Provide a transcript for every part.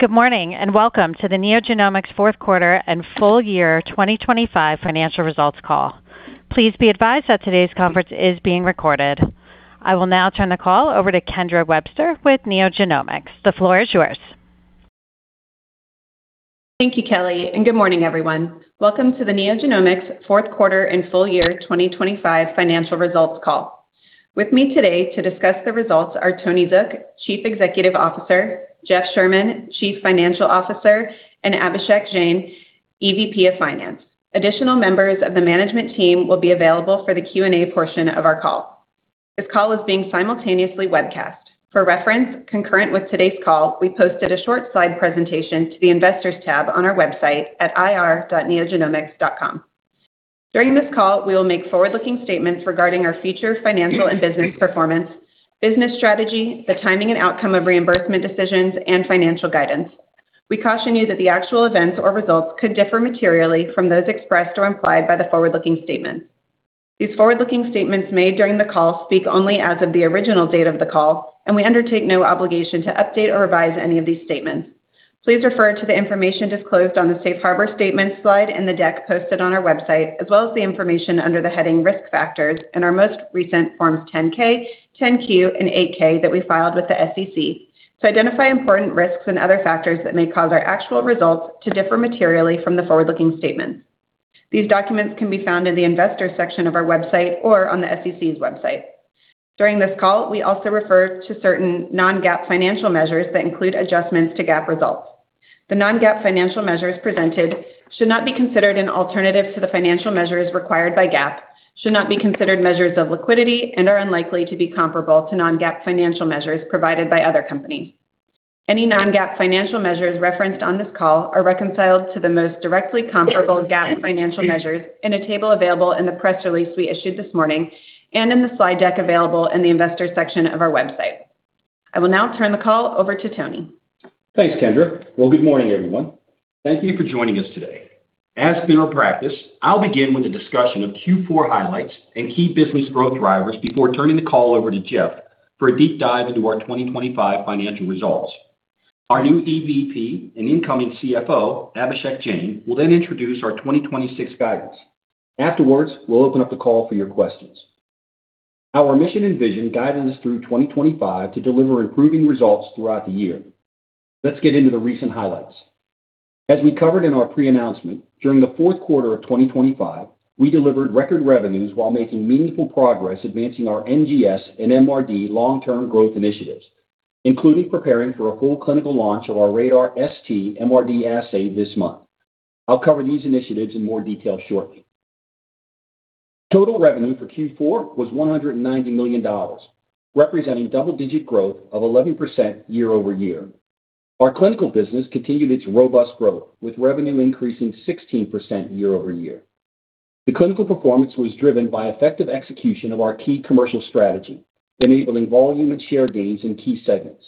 Good morning, and welcome to the NeoGenomics fourth quarter and full year 2025 financial results call. Please be advised that today's conference is being recorded. I will now turn the call over to Kendra Webster with NeoGenomics. The floor is yours. Thank you, Kelly, and good morning, everyone. Welcome to the NeoGenomics fourth quarter and full year 2025 financial results call. With me today to discuss the results are Tony Zook, Chief Executive Officer, Jeff Sherman, Chief Financial Officer, and Abhishek Jain, EVP of Finance. Additional members of the management team will be available for the Q&A portion of our call. This call is being simultaneously webcast. For reference, concurrent with today's call, we posted a short slide presentation to the Investors tab on our website at ir.neogenomics.com. During this call, we will make forward-looking statements regarding our future financial and business performance, business strategy, the timing and outcome of reimbursement decisions, and financial guidance. We caution you that the actual events or results could differ materially from those expressed or implied by the forward-looking statements. These forward-looking statements made during the call speak only as of the original date of the call, and we undertake no obligation to update or revise any of these statements. Please refer to the information disclosed on the Safe Harbor Statements slide in the deck posted on our website, as well as the information under the heading Risk Factors in our most recent Forms 10-K, 10-Q, and 8-K that we filed with the SEC to identify important risks and other factors that may cause our actual results to differ materially from the forward-looking statements. These documents can be found in the Investors section of our website or on the SEC's website. During this call, we also refer to certain non-GAAP financial measures that include adjustments to GAAP results. The non-GAAP financial measures presented should not be considered an alternative to the financial measures required by GAAP, should not be considered measures of liquidity, and are unlikely to be comparable to non-GAAP financial measures provided by other companies. Any non-GAAP financial measures referenced on this call are reconciled to the most directly comparable GAAP financial measures in a table available in the press release we issued this morning and in the slide deck available in the Investors section of our website. I will now turn the call over to Tony. Thanks, Kendra. Well, good morning, everyone. Thank you for joining us today. As has been our practice, I'll begin with a discussion of Q4 highlights and key business growth drivers before turning the call over to Jeff for a deep dive into our 2025 financial results. Our new EVP and incoming CFO, Abhishek Jain, will then introduce our 2026 guidance. Afterwards, we'll open up the call for your questions. Our mission and vision guided us through 2025 to deliver improving results throughout the year. Let's get into the recent highlights. As we covered in our pre-announcement, during the fourth quarter of 2025, we delivered record revenues while making meaningful progress advancing our NGS and MRD long-term growth initiatives, including preparing for a full clinical launch of our RaDaR ST MRD assay this month. I'll cover these initiatives in more detail shortly. Total revenue for Q4 was $190 million, representing double-digit growth of 11% year-over-year. Our clinical business continued its robust growth, with revenue increasing 16% year-over-year. The clinical performance was driven by effective execution of our key commercial strategy, enabling volume and share gains in key segments.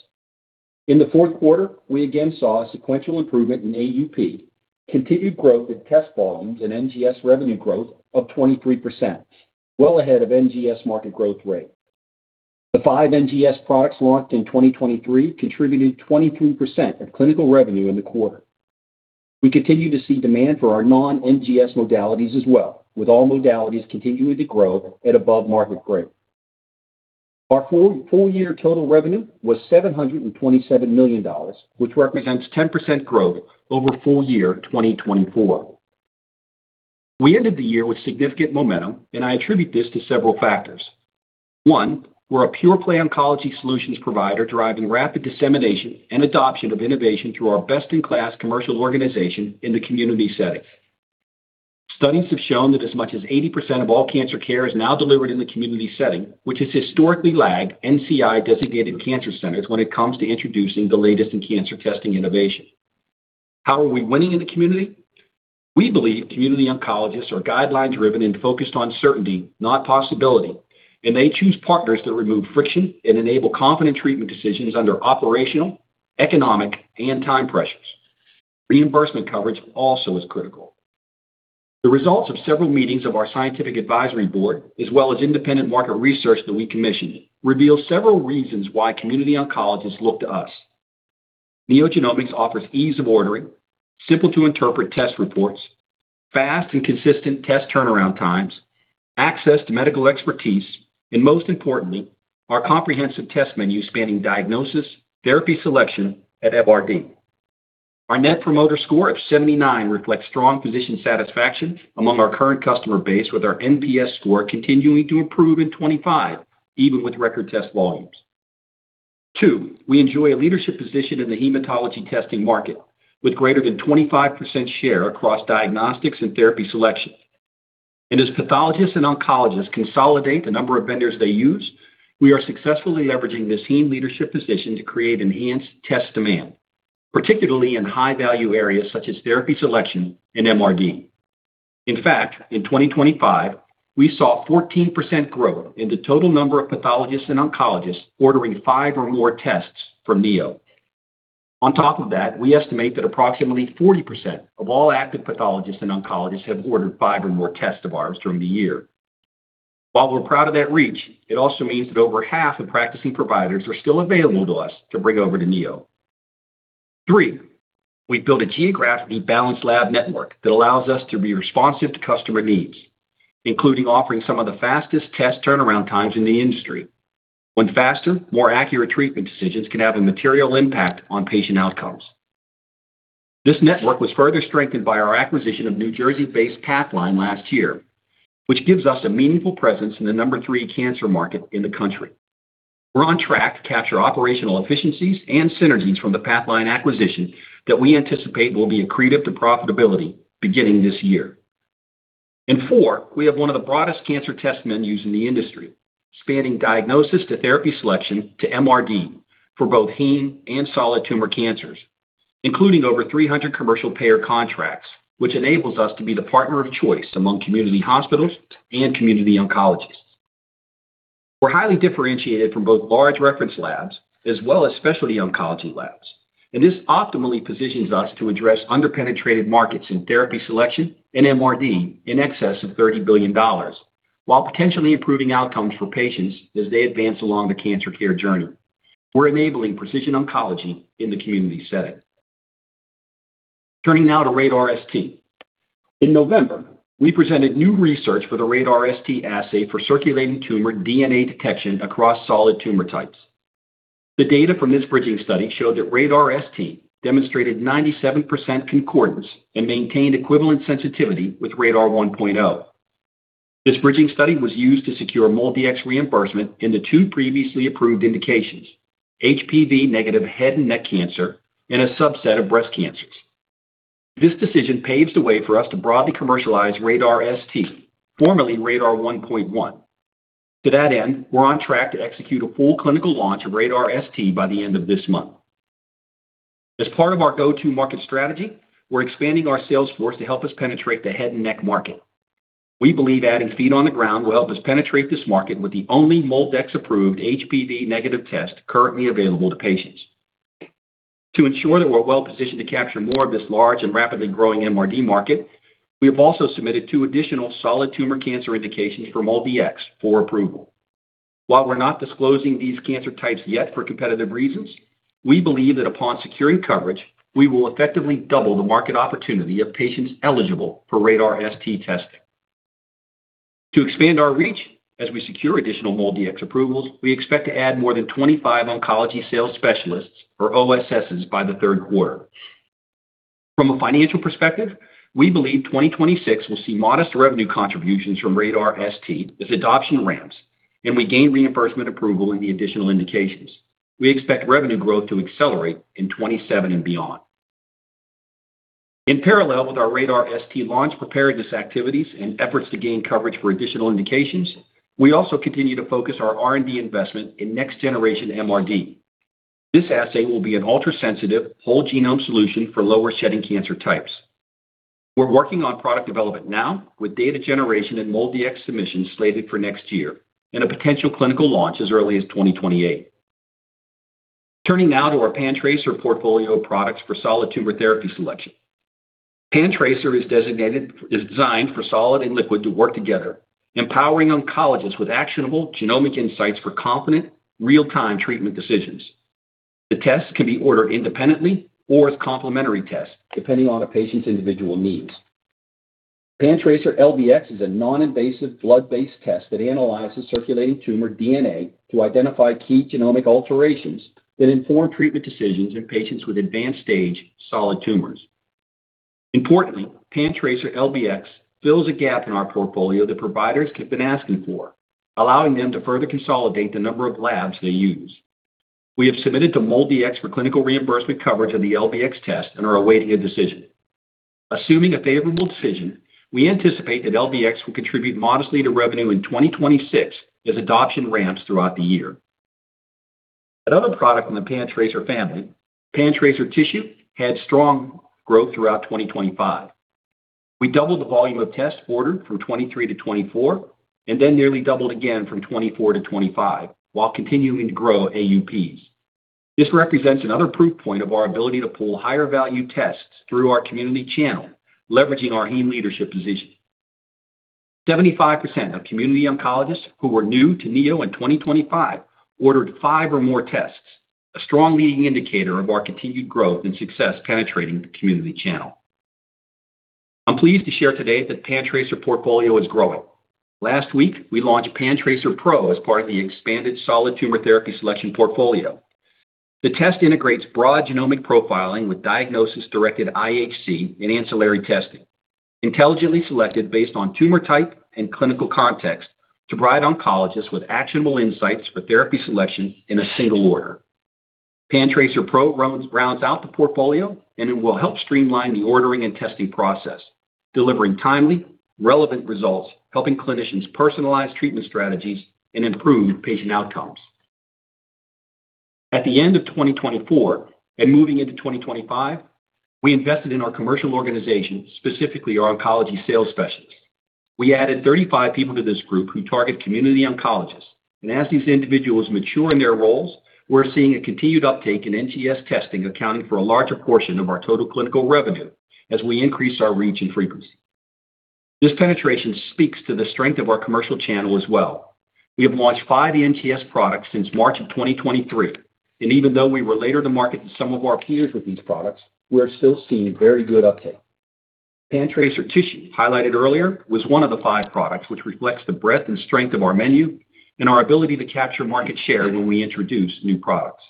In the fourth quarter, we again saw a sequential improvement in AUP, continued growth in test volumes, and NGS revenue growth of 23%, well ahead of NGS market growth rate. The five NGS products launched in 2023 contributed 22% of clinical revenue in the quarter. We continue to see demand for our non-NGS modalities as well, with all modalities continuing to grow at above market rate. Our full, full year total revenue was $727 million, which represents 10% growth over full year 2024. We ended the year with significant momentum, and I attribute this to several factors. One, we're a pure-play oncology solutions provider, driving rapid dissemination and adoption of innovation through our best-in-class commercial organization in the community setting. Studies have shown that as much as 80% of all cancer care is now delivered in the community setting, which has historically lagged NCI-designated cancer centers when it comes to introducing the latest in cancer testing innovation. How are we winning in the community? We believe community oncologists are guidelines-driven and focused on certainty, not possibility, and they choose partners that remove friction and enable confident treatment decisions under operational, economic, and time pressures. Reimbursement coverage also is critical. The results of several meetings of our scientific advisory board, as well as independent market research that we commissioned, reveal several reasons why community oncologists look to us. NeoGenomics offers ease of ordering, simple-to-interpret test reports, fast and consistent test turnaround times, access to medical expertise, and most importantly, our comprehensive test menu spanning diagnosis, therapy selection, and MRD. Our Net Promoter Score of 79 reflects strong physician satisfaction among our current customer base, with our NPS score continuing to improve in 2025, even with record test volumes. 2, we enjoy a leadership position in the hematology testing market, with greater than 25% share across diagnostics and therapy selections. As pathologists and oncologists consolidate the number of vendors they use, we are successfully leveraging this heme leadership position to create enhanced test demand, particularly in high-value areas such as therapy selection and MRD. In fact, in 2025, we saw 14% growth in the total number of pathologists and oncologists ordering 5 or more tests from Neo. On top of that, we estimate that approximately 40% of all active pathologists and oncologists have ordered 5 or more tests of ours during the year. While we're proud of that reach, it also means that over half of practicing providers are still available to us to bring over to Neo. Three, we've built a geographically balanced lab network that allows us to be responsive to customer needs, including offering some of the fastest test turnaround times in the industry, when faster, more accurate treatment decisions can have a material impact on patient outcomes. This network was further strengthened by our acquisition of New Jersey-based Pathline last year, which gives us a meaningful presence in the number 3 cancer market in the country. We're on track to capture operational efficiencies and synergies from the Pathline acquisition that we anticipate will be accretive to profitability beginning this year. Four, we have one of the broadest cancer test menus in the industry, spanning diagnosis to therapy selection to MRD for both heme and solid tumor cancers, including over 300 commercial payer contracts, which enables us to be the partner of choice among community hospitals and community oncologists. We're highly differentiated from both large reference labs as well as specialty oncology labs, and this optimally positions us to address under-penetrated markets in therapy selection and MRD in excess of $30 billion, while potentially improving outcomes for patients as they advance along the cancer care journey. We're enabling precision oncology in the community setting. Turning now to RaDaR ST. In November, we presented new research for the RaDaR ST assay for circulating tumor DNA detection across solid tumor types. The data from this bridging study showed that RaDaR ST demonstrated 97% concordance and maintained equivalent sensitivity with RaDaR 1.0. This bridging study was used to secure MolDX reimbursement in the two previously approved indications: HPV-negative head and neck cancer, and a subset of breast cancers. This decision paves the way for us to broadly commercialize RaDaR ST, formerly RaDaR 1.1. To that end, we're on track to execute a full clinical launch of RaDaR ST by the end of this month. As part of our go-to-market strategy, we're expanding our sales force to help us penetrate the head and neck market. We believe adding feet on the ground will help us penetrate this market with the only MolDX-approved HPV-negative test currently available to patients. To ensure that we're well-positioned to capture more of this large and rapidly growing MRD market, we have also submitted 2 additional solid tumor cancer indications for MolDX for approval. While we're not disclosing these cancer types yet for competitive reasons, we believe that upon securing coverage, we will effectively double the market opportunity of patients eligible for RaDaR ST testing. To expand our reach as we secure additional MolDX approvals, we expect to add more than 25 oncology sales specialists or OSS by the third quarter. From a financial perspective, we believe 2026 will see modest revenue contributions from RaDaR ST as adoption ramps and we gain reimbursement approval in the additional indications. We expect revenue growth to accelerate in 2027 and beyond. In parallel with our RaDaR ST launch preparedness activities and efforts to gain coverage for additional indications, we also continue to focus our R&D investment in next-generation MRD. This assay will be an ultrasensitive whole genome solution for lower shedding cancer types. We're working on product development now with data generation and MolDX submissions slated for next year, and a potential clinical launch as early as 2028. Turning now to our PanTracer portfolio of products for solid tumor therapy selection. PanTracer is designed for solid and liquid to work together, empowering oncologists with actionable genomic insights for confident, real-time treatment decisions. The tests can be ordered independently or as complementary tests, depending on a patient's individual needs. PanTracer LBx is a non-invasive, blood-based test that analyzes circulating tumor DNA to identify key genomic alterations that inform treatment decisions in patients with advanced stage solid tumors. Importantly, PanTracer LBx fills a gap in our portfolio that providers have been asking for, allowing them to further consolidate the number of labs they use. We have submitted to MolDX for clinical reimbursement coverage of the LBx test and are awaiting a decision. Assuming a favorable decision, we anticipate that LBx will contribute modestly to revenue in 2026 as adoption ramps throughout the year. Another product in the PanTracer family, PanTracer Tissue, had strong growth throughout 2025. We doubled the volume of tests ordered from 2023 to 2024, and then nearly doubled again from 2024 to 2025, while continuing to grow AUPs. This represents another proof point of our ability to pull higher-value tests through our community channel, leveraging our heme leadership position. 75% of community oncologists who were new to Neo in 2025 ordered 5 or more tests, a strong leading indicator of our continued growth and success penetrating the community channel. I'm pleased to share today that the PanTracer portfolio is growing. Last week, we launched PanTracer Pro as part of the expanded solid tumor therapy selection portfolio. The test integrates broad genomic profiling with diagnosis-directed IHC and ancillary testing, intelligently selected based on tumor type and clinical context, to provide oncologists with actionable insights for therapy selection in a single order. PanTracer Pro rounds out the portfolio, and it will help streamline the ordering and testing process, delivering timely, relevant results, helping clinicians personalize treatment strategies and improve patient outcomes. At the end of 2024 and moving into 2025, we invested in our commercial organization, specifically our oncology sales specialists. We added 35 people to this group who target community oncologists. As these individuals mature in their roles, we're seeing a continued uptake in NGS testing, accounting for a larger portion of our total clinical revenue as we increase our reach and frequency. This penetration speaks to the strength of our commercial channel as well. We have launched five NGS products since March of 2023, and even though we were later to market than some of our peers with these products, we are still seeing very good uptake. PanTracer Tissue, highlighted earlier, was one of the five products, which reflects the breadth and strength of our menu and our ability to capture market share when we introduce new products.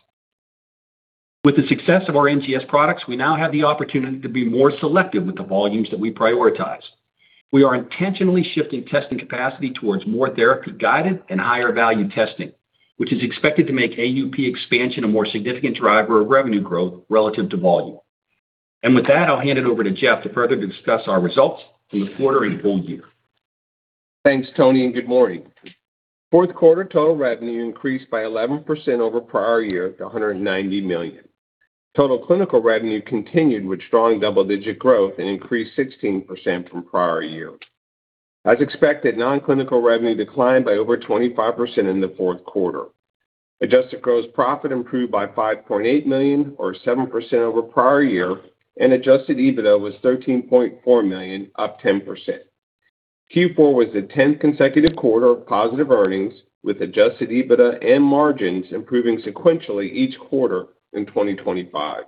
With the success of our NGS products, we now have the opportunity to be more selective with the volumes that we prioritize. We are intentionally shifting testing capacity towards more therapy-guided and higher-value testing, which is expected to make AUP expansion a more significant driver of revenue growth relative to volume. With that, I'll hand it over to Jeff to further discuss our results from the quarter and full year. Thanks, Tony, and good morning. Fourth quarter total revenue increased by 11% over prior year to $190 million. Total clinical revenue continued with strong double-digit growth and increased 16% from prior year. As expected, non-clinical revenue declined by over 25% in the fourth quarter. Adjusted gross profit improved by $5.8 million, or 7% over prior year, and adjusted EBITDA was $13.4 million, up 10%. Q4 was the 10th consecutive quarter of positive earnings, with adjusted EBITDA and margins improving sequentially each quarter in 2025.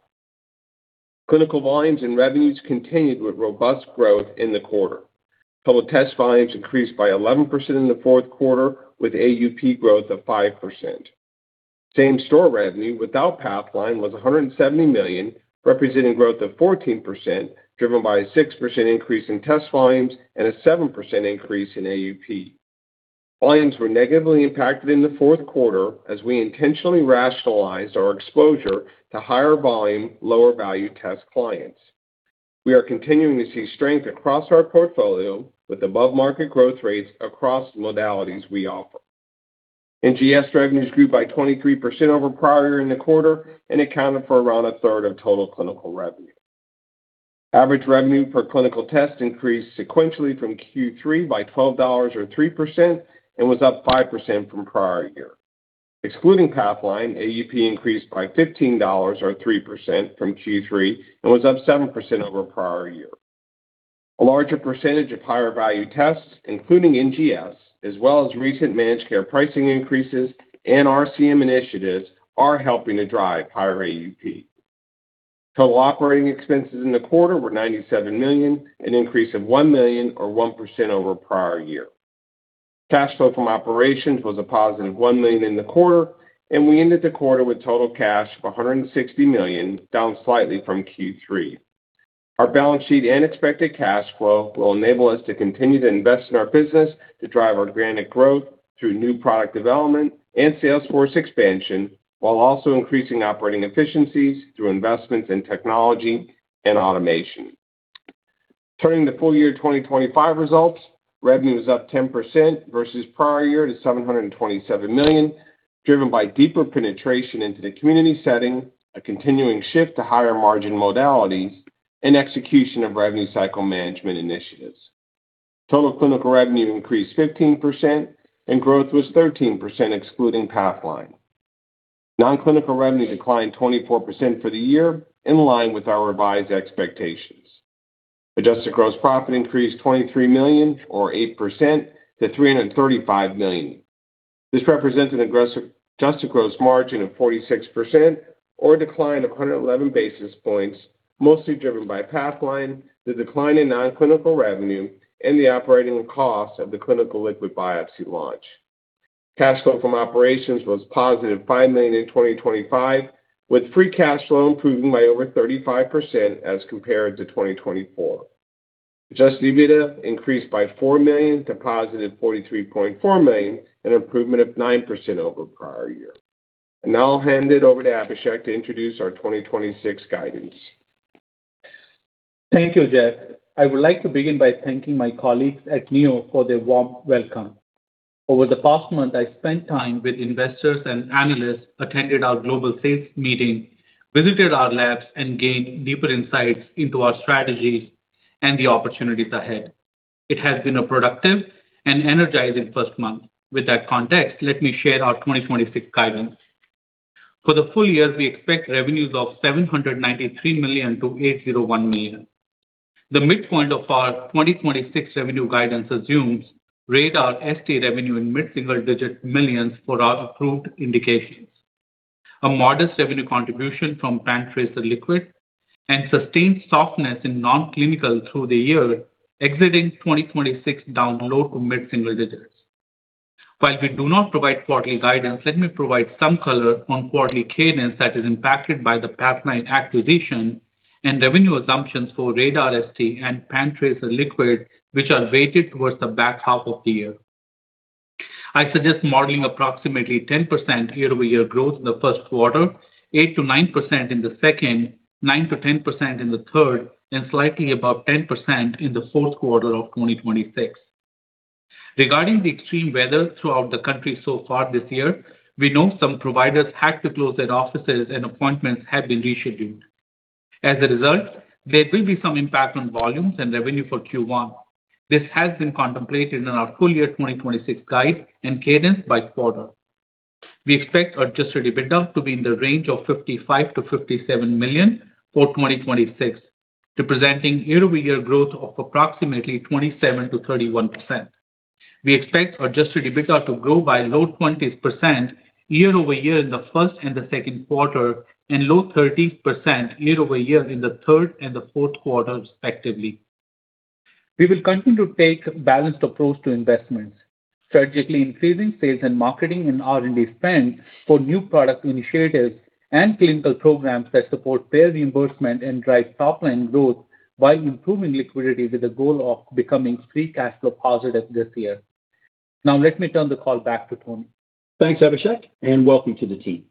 Clinical volumes and revenues continued with robust growth in the quarter. Total test volumes increased by 11% in the fourth quarter, with AUP growth of 5%. Same-store revenue without Pathline was $170 million, representing growth of 14%, driven by a 6% increase in test volumes and a 7% increase in AUP. Volumes were negatively impacted in the fourth quarter as we intentionally rationalized our exposure to higher volume, lower-value test clients. We are continuing to see strength across our portfolio, with above-market growth rates across modalities we offer. NGS revenues grew by 23% over prior year in the quarter and accounted for around a third of total clinical revenue. Average revenue per clinical test increased sequentially from Q3 by $12 or 3% and was up 5% from prior year. Excluding Pathline, AUP increased by $15, or 3% from Q3, and was up 7% over prior year. A larger percentage of higher-value tests, including NGS, as well as recent managed care pricing increases and RCM initiatives, are helping to drive higher AUP. Total operating expenses in the quarter were $97 million, an increase of $1 million or 1% over prior year. Cash flow from operations was a positive $1 million in the quarter, and we ended the quarter with total cash of $160 million, down slightly from Q3. Our balance sheet and expected cash flow will enable us to continue to invest in our business to drive organic growth through new product development and salesforce expansion, while also increasing operating efficiencies through investments in technology and automation. Turning to full year 2025 results, revenue is up 10% versus prior year to $727 million, driven by deeper penetration into the community setting, a continuing shift to higher-margin modalities, and execution of revenue cycle management initiatives. Total clinical revenue increased 15%, and growth was 13%, excluding Pathline. Non-clinical revenue declined 24% for the year, in line with our revised expectations. Adjusted gross profit increased $23 million, or 8%, to $335 million. This represents an aggressive adjusted gross margin of 46%, or a decline of 111 basis points, mostly driven by Pathline, the decline in non-clinical revenue, and the operating costs of the clinical liquid biopsy launch. Cash flow from operations was positive $5 million in 2025, with free cash flow improving by over 35% as compared to 2024. Adjusted EBITDA increased by $4 million to $43.4 million, an improvement of 9% over prior year. Now I'll hand it over to Abhishek to introduce our 2026 guidance. Thank you, Jeff. I would like to begin by thanking my colleagues at Neo for their warm welcome. Over the past month, I spent time with investors and analysts, attended our global sales meeting, visited our labs, and gained deeper insights into our strategy and the opportunities ahead. It has been a productive and energizing first month. With that context, let me share our 2026 guidance. For the full year, we expect revenues of $793 million-$801 million. The midpoint of our 2026 revenue guidance assumes RaDaR ST revenue in mid-single-digit millions for our approved indications. A modest revenue contribution from PanTracer Liquid and sustained softness in non-clinical through the year, exiting 2026 down low- to mid-single digits. While we do not provide quarterly guidance, let me provide some color on quarterly cadence that is impacted by the Pathline acquisition and revenue assumptions for RaDaR ST and PanTracer Liquid, which are weighted towards the back half of the year. I suggest modeling approximately 10% year-over-year growth in the first quarter, 8%-9% in the second, 9%-10% in the third, and slightly above 10% in the fourth quarter of 2026. Regarding the extreme weather throughout the country so far this year, we know some providers had to close their offices and appointments have been rescheduled. ...As a result, there will be some impact on volumes and revenue for Q1. This has been contemplated in our full year 2026 guide and cadence by quarter. We expect adjusted EBITDA to be in the range of $55 million-$57 million for 2026, representing year-over-year growth of approximately 27%-31%. We expect adjusted EBITDA to grow by low 20s% year over year in the first and the second quarter, and low 30s% year over year in the third and the fourth quarter, respectively. We will continue to take a balanced approach to investments, strategically increasing sales and marketing and R&D spend for new product initiatives and clinical programs that support payer reimbursement and drive top line growth, while improving liquidity with the goal of becoming free cash flow positive this year. Now, let me turn the call back to Tony. Thanks, Abhishek, and welcome to the team.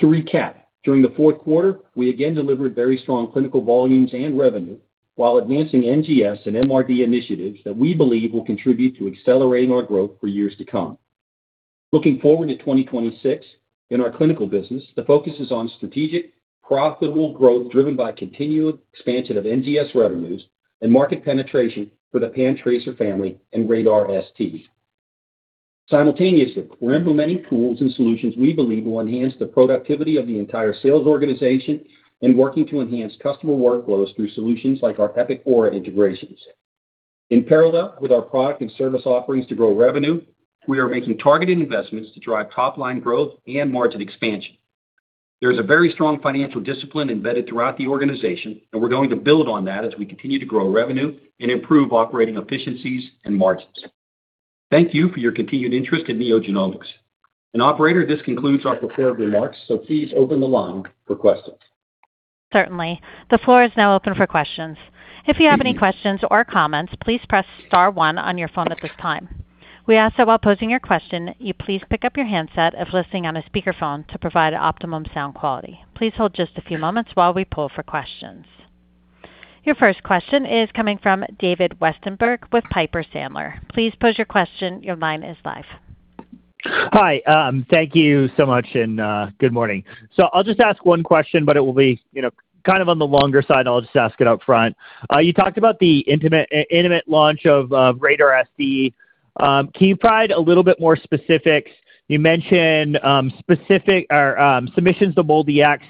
To recap, during the fourth quarter, we again delivered very strong clinical volumes and revenue while advancing NGS and MRD initiatives that we believe will contribute to accelerating our growth for years to come. Looking forward to 2026, in our clinical business, the focus is on strategic, profitable growth, driven by continued expansion of NGS revenues and market penetration for the PanTracer family and RaDaR ST. Simultaneously, we're implementing tools and solutions we believe will enhance the productivity of the entire sales organization and working to enhance customer workflows through solutions like our Epic Aura integrations. In parallel with our product and service offerings to grow revenue, we are making targeted investments to drive top-line growth and margin expansion. There is a very strong financial discipline embedded throughout the organization, and we're going to build on that as we continue to grow revenue and improve operating efficiencies and margins. Thank you for your continued interest in NeoGenomics. Operator, this concludes our prepared remarks, so please open the line for questions. Certainly. The floor is now open for questions. If you have any questions or comments, please press star one on your phone at this time. We ask that while posing your question, you please pick up your handset if listening on a speakerphone to provide optimum sound quality. Please hold just a few moments while we poll for questions. Your first question is coming from David Westenberg with Piper Sandler. Please pose your question. Your line is live. Hi, thank you so much, and good morning. So I'll just ask one question, but it will be, you know, kind of on the longer side. I'll just ask it up front. You talked about the initial launch of RaDaR ST. Can you provide a little bit more specifics? You mentioned specific submissions to MolDX.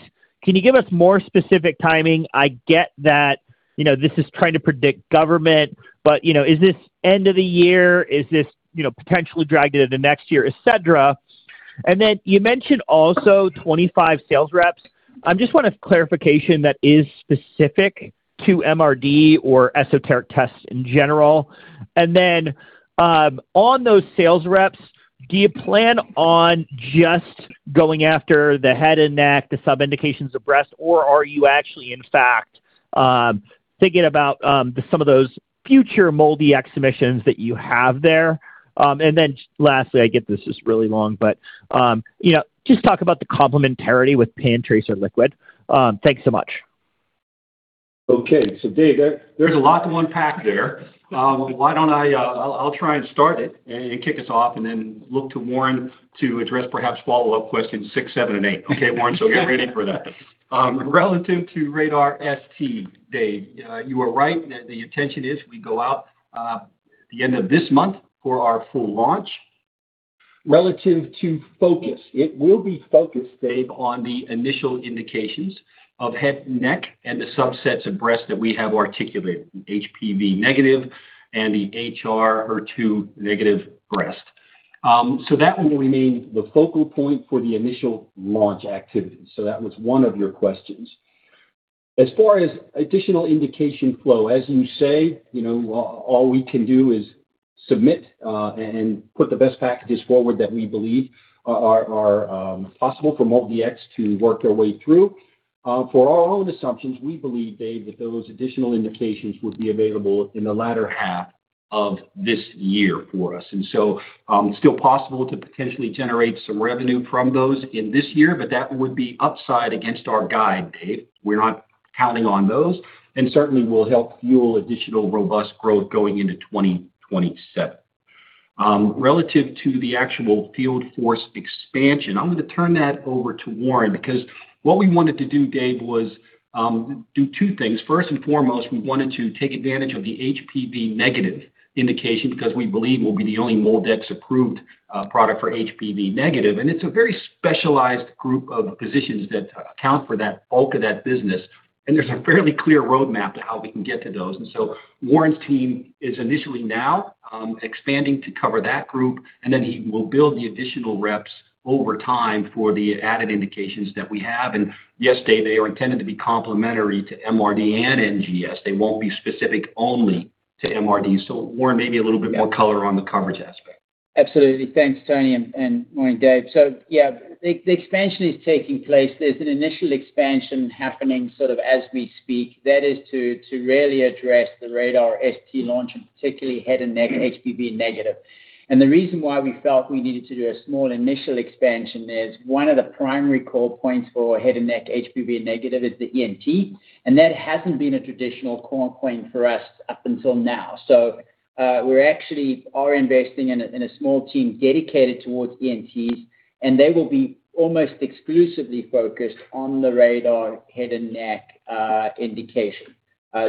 Can you give us more specific timing? I get that, you know, this is trying to predict government, but, you know, is this end of the year? Is this, you know, potentially dragged into the next year, et cetera? And then you mentioned also 25 sales reps. I just want a clarification that is specific to MRD or esoteric tests in general. And then, on those sales reps, do you plan on just going after the head and neck, the sub-indications of breast, or are you actually, in fact, thinking about, some of those future MolDX submissions that you have there? And then lastly, I get this is really long, but, you know, just talk about the complementarity with PanTracer liquid. Thanks so much. Okay, so Dave, there, there's a lot to unpack there. Why don't I, I'll try and start it and kick us off and then look to Warren to address perhaps follow-up questions six, seven, and eight. Okay, Warren, so get ready for that. Relative to RaDaR ST, Dave, you are right that the intention is we go out, at the end of this month for our full launch. Relative to focus, it will be focused, Dave, on the initial indications of head and neck and the subsets of breast that we have articulated, HPV-negative and the HER2-negative breast. So that was one of your questions. As far as additional indication flow, as you say, you know, all we can do is submit, and put the best packages forward that we believe are possible for MolDX to work their way through. For our own assumptions, we believe, Dave, that those additional indications would be available in the latter half of this year for us, and so, still possible to potentially generate some revenue from those in this year, but that would be upside against our guide, Dave. We're not counting on those and certainly will help fuel additional robust growth going into 2027. Relative to the actual field force expansion, I'm going to turn that over to Warren, because what we wanted to do, Dave, was do two things. First and foremost, we wanted to take advantage of the HPV negative indication because we believe we'll be the only MolDX approved product for HPV negative. And it's a very specialized group of physicians that account for that bulk of that business, and there's a fairly clear roadmap to how we can get to those. And so Warren's team is initially now expanding to cover that group, and then he will build the additional reps over time for the added indications that we have. And yes, Dave, they are intended to be complementary to MRD and NGS. They won't be specific only to MRD. So Warren, maybe a little bit more color on the coverage aspect. Absolutely. Thanks, Tony, and morning, Dave. So yeah, the expansion is taking place. There's an initial expansion happening sort of as we speak. That is to really address the RaDaR ST launch, and particularly head and neck HPV-negative. And the reason why we felt we needed to do a small initial expansion is, one of the primary call points for head and neck HPV-negative is the ENT, and that hasn't been a traditional call point for us up until now. So, we're actually investing in a small team dedicated towards ENTs, and they will be almost exclusively focused on the RaDaR head and neck indication.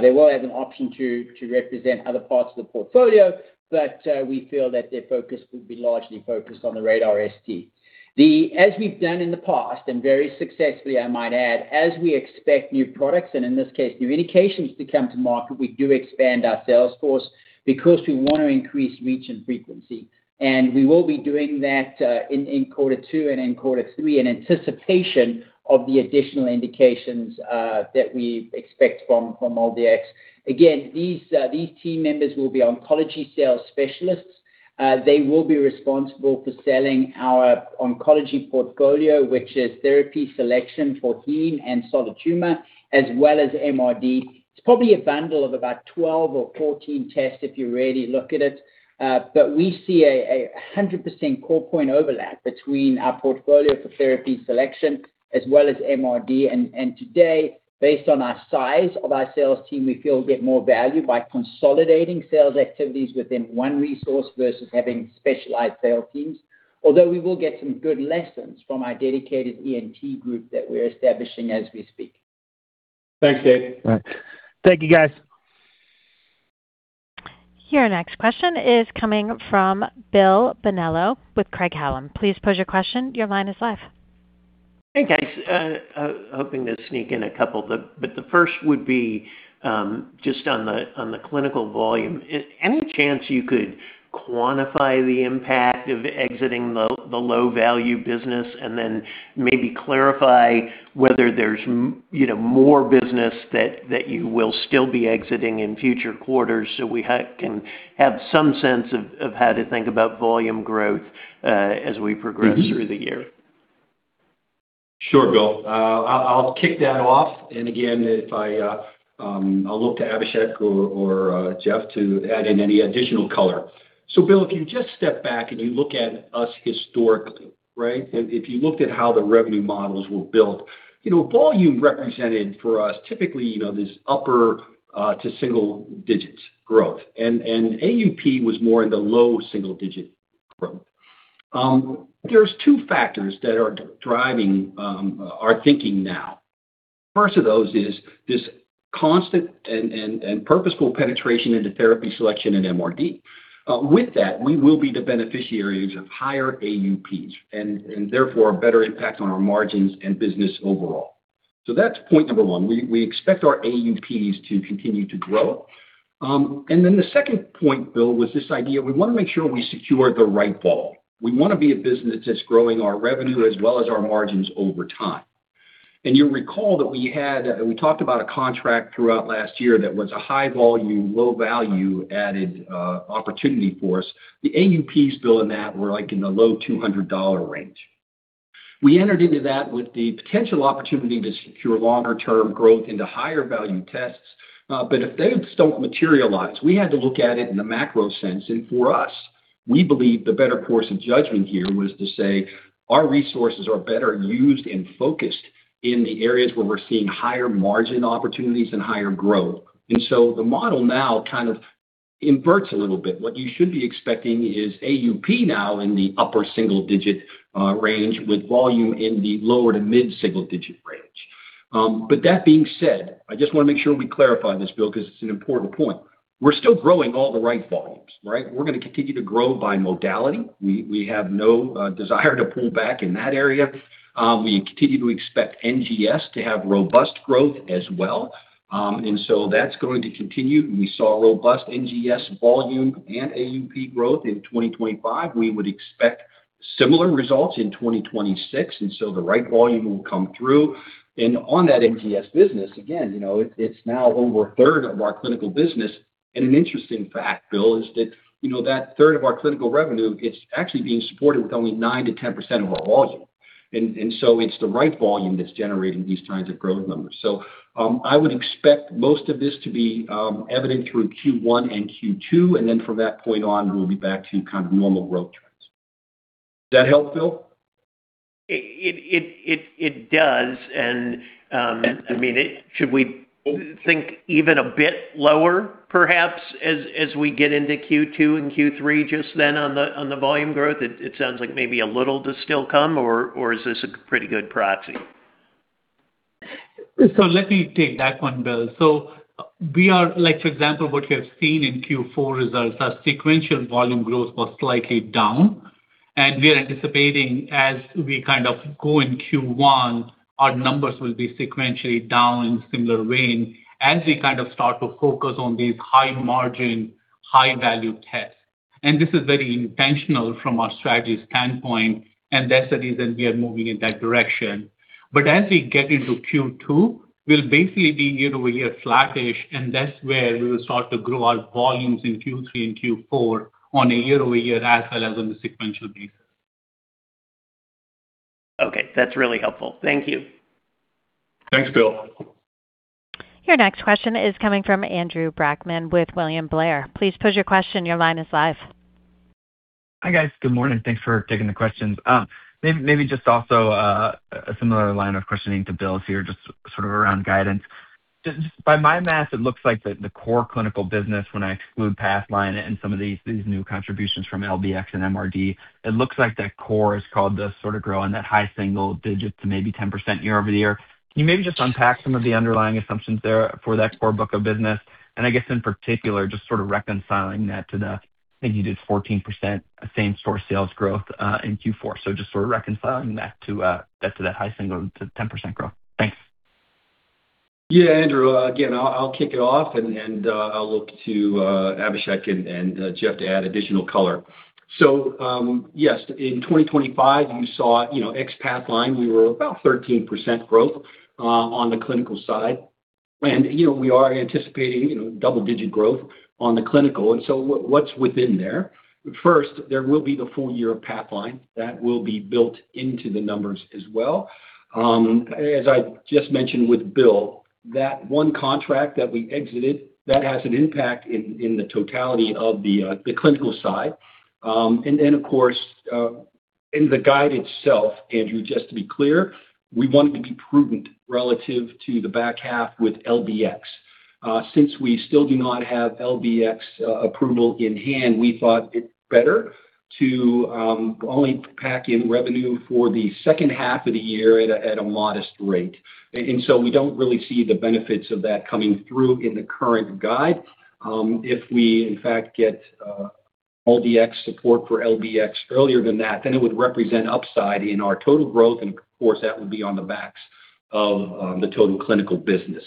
They will have an option to represent other parts of the portfolio, but we feel that their focus will be largely focused on the RaDaR ST. As we've done in the past, and very successfully, I might add, as we expect new products, and in this case, new indications to come to market, we do expand our sales force because we want to increase reach and frequency. We will be doing that in quarter two and in quarter three, in anticipation of the additional indications that we expect from MolDX. Again, these team members will be oncology sales specialists. They will be responsible for selling our oncology portfolio, which is therapy selection for heme and solid tumor, as well as MRD. It's probably a bundle of about 12 or 14 tests if you really look at it. But we see a 100% core point overlap between our portfolio for therapy selection as well as MRD. Today, based on the size of our sales team, we feel we get more value by consolidating sales activities within one resource versus having specialized sales teams. Although we will get some good lessons from our dedicated ENT group that we're establishing as we speak. Thanks, Dave. All right. Thank you, guys. Your next question is coming from Bill Bonello with Craig-Hallum. Please pose your question. Your line is live. Hey, guys. Hoping to sneak in a couple, but the first would be just on the clinical volume. Is any chance you could quantify the impact of exiting the low-value business, and then maybe clarify whether there's you know, more business that you will still be exiting in future quarters so we can have some sense of how to think about volume growth, as we progress- Mm-hmm... through the year? Sure, Bill. I'll kick that off. And again, I'll look to Abhishek or Jeff to add in any additional color. So Bill, if you just step back and you look at us historically, right? If you looked at how the revenue models were built, you know, volume represented for us, typically, you know, this upper to single digits growth, and AUP was more in the low single-digit growth. There's two factors that are driving our thinking now. First of those is this constant and purposeful penetration into therapy selection and MRD. With that, we will be the beneficiaries of higher AUPs and therefore a better impact on our margins and business overall. So that's point number one. We expect our AUPs to continue to grow. And then the second point, Bill, was this idea: we wanna make sure we secure the right vol. We wanna be a business that's growing our revenue as well as our margins over time. And you'll recall that we had, we talked about a contract throughout last year that was a high volume, low value-added opportunity for us. The AUPs, Bill, in that were, like, in the low $200 range. We entered into that with the potential opportunity to secure longer-term growth into higher value tests. But if they don't materialize, we had to look at it in a macro sense, and for us, we believe the better course of judgment here was to say, our resources are better used and focused in the areas where we're seeing higher margin opportunities and higher growth. And so the model now kind of inverts a little bit. What you should be expecting is AUP now in the upper single-digit range, with volume in the lower- to mid-single-digit range. But that being said, I just wanna make sure we clarify this, Bill, because it's an important point. We're still growing all the right volumes, right? We're gonna continue to grow by modality. We have no desire to pull back in that area. We continue to expect NGS to have robust growth as well. And so that's going to continue. We saw robust NGS volume and AUP growth in 2025. We would expect similar results in 2026, and so the right volume will come through. And on that NGS business, again, you know, it's now over a third of our clinical business. And an interesting fact, Bill, is that, you know, that third of our clinical revenue, it's actually being supported with only 9%-10% of our volume. And so it's the right volume that's generating these kinds of growth numbers. So, I would expect most of this to be evident through Q1 and Q2, and then from that point on, we'll be back to kind of normal growth trends. Does that help, Bill? It does. And, I mean, should we think even a bit lower, perhaps, as we get into Q2 and Q3, just then on the volume growth? It sounds like maybe a little to still come, or is this a pretty good proxy? So let me take that one, Bill. So we are, like, for example, what we have seen in Q4 results, our sequential volume growth was slightly down, and we are anticipating as we kind of go in Q1, our numbers will be sequentially down in similar vein as we kind of start to focus on these high-margin, high-value tests. And this is very intentional from a strategy standpoint, and that's the reason we are moving in that direction. But as we get into Q2, we'll basically be year-over-year flattish, and that's where we will start to grow our volumes in Q3 and Q4 on a year-over-year as well as on the sequential basis. Okay, that's really helpful. Thank you. Thanks, Bill. Your next question is coming from Andrew Brackman with William Blair. Please pose your question. Your line is live. Hi, guys. Good morning. Thanks for taking the questions. Maybe just also a similar line of questioning to Bill here, just sort of around guidance. Just by my math, it looks like the core clinical business, when I exclude Pathline and some of these new contributions from LBX and MRD, it looks like that core is called to sort of grow in that high single digit to maybe 10% year-over-year. Can you maybe just unpack some of the underlying assumptions there for that core book of business? And I guess, in particular, just sort of reconciling that to the, I think you did 14% same-store sales growth in Q4. So just sort of reconciling that to that high single to 10% growth. Thanks. Yeah, Andrew, again, I'll kick it off, and I'll look to Abhishek and Jeff to add additional color. So, yes, in 2025, you saw, you know, ex-Pathline, we were about 13% growth on the clinical side. And, you know, we are anticipating, you know, double-digit growth on the clinical, and so what's within there? First, there will be the full year of Pathline that will be built into the numbers as well. As I just mentioned with Bill, that one contract that we exited, that has an impact in the totality of the clinical side. And then, of course, in the guide itself, Andrew, just to be clear, we wanted to be prudent relative to the back half with LBX. Since we still do not have LBx approval in hand, we thought it better to only pack in revenue for the second half of the year at a modest rate. So we don't really see the benefits of that coming through in the current guide. If we, in fact, get LDT support for LBx earlier than that, then it would represent upside in our total growth, and of course, that would be on the backs of the total clinical business.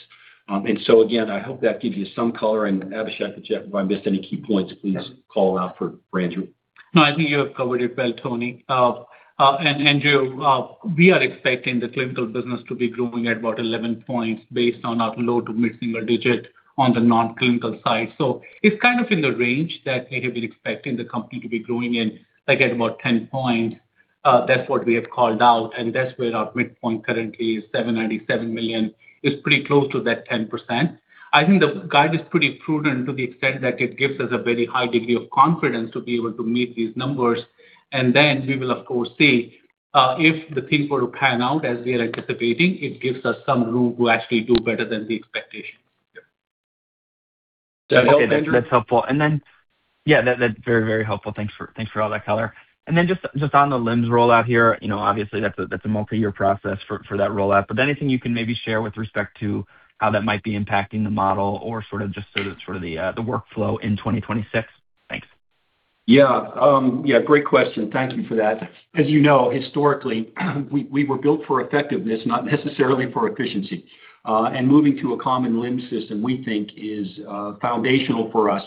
So again, I hope that gives you some color, and Abhishek, if I missed any key points, please call out for Andrew. No, I think you have covered it well, Tony. And Andrew, we are expecting the clinical business to be growing at about 11% based on our low- to mid-single-digit on the non-clinical side. So it's kind of in the range that we have been expecting the company to be growing in, like, at about 10%. That's what we have called out, and that's where our midpoint currently is, $797 million. It's pretty close to that 10%. I think the guide is pretty prudent to the extent that it gives us a very high degree of confidence to be able to meet these numbers. And then we will, of course, see if the things were to pan out as we are anticipating, it gives us some room to actually do better than the expectations. Does that help, Andrew? That's helpful. And then... Yeah, that's very, very helpful. Thanks for, thanks for all that color. And then just, just on the LIMS rollout here, you know, obviously, that's a, that's a multi-year process for, for that rollout, but anything you can maybe share with respect to how that might be impacting the model or sort of just sort of, sort of the workflow in 2026? Thanks. Yeah. Yeah, great question. Thank you for that. As you know, historically, we were built for effectiveness, not necessarily for efficiency. And moving to a common LIMS system, we think is foundational for us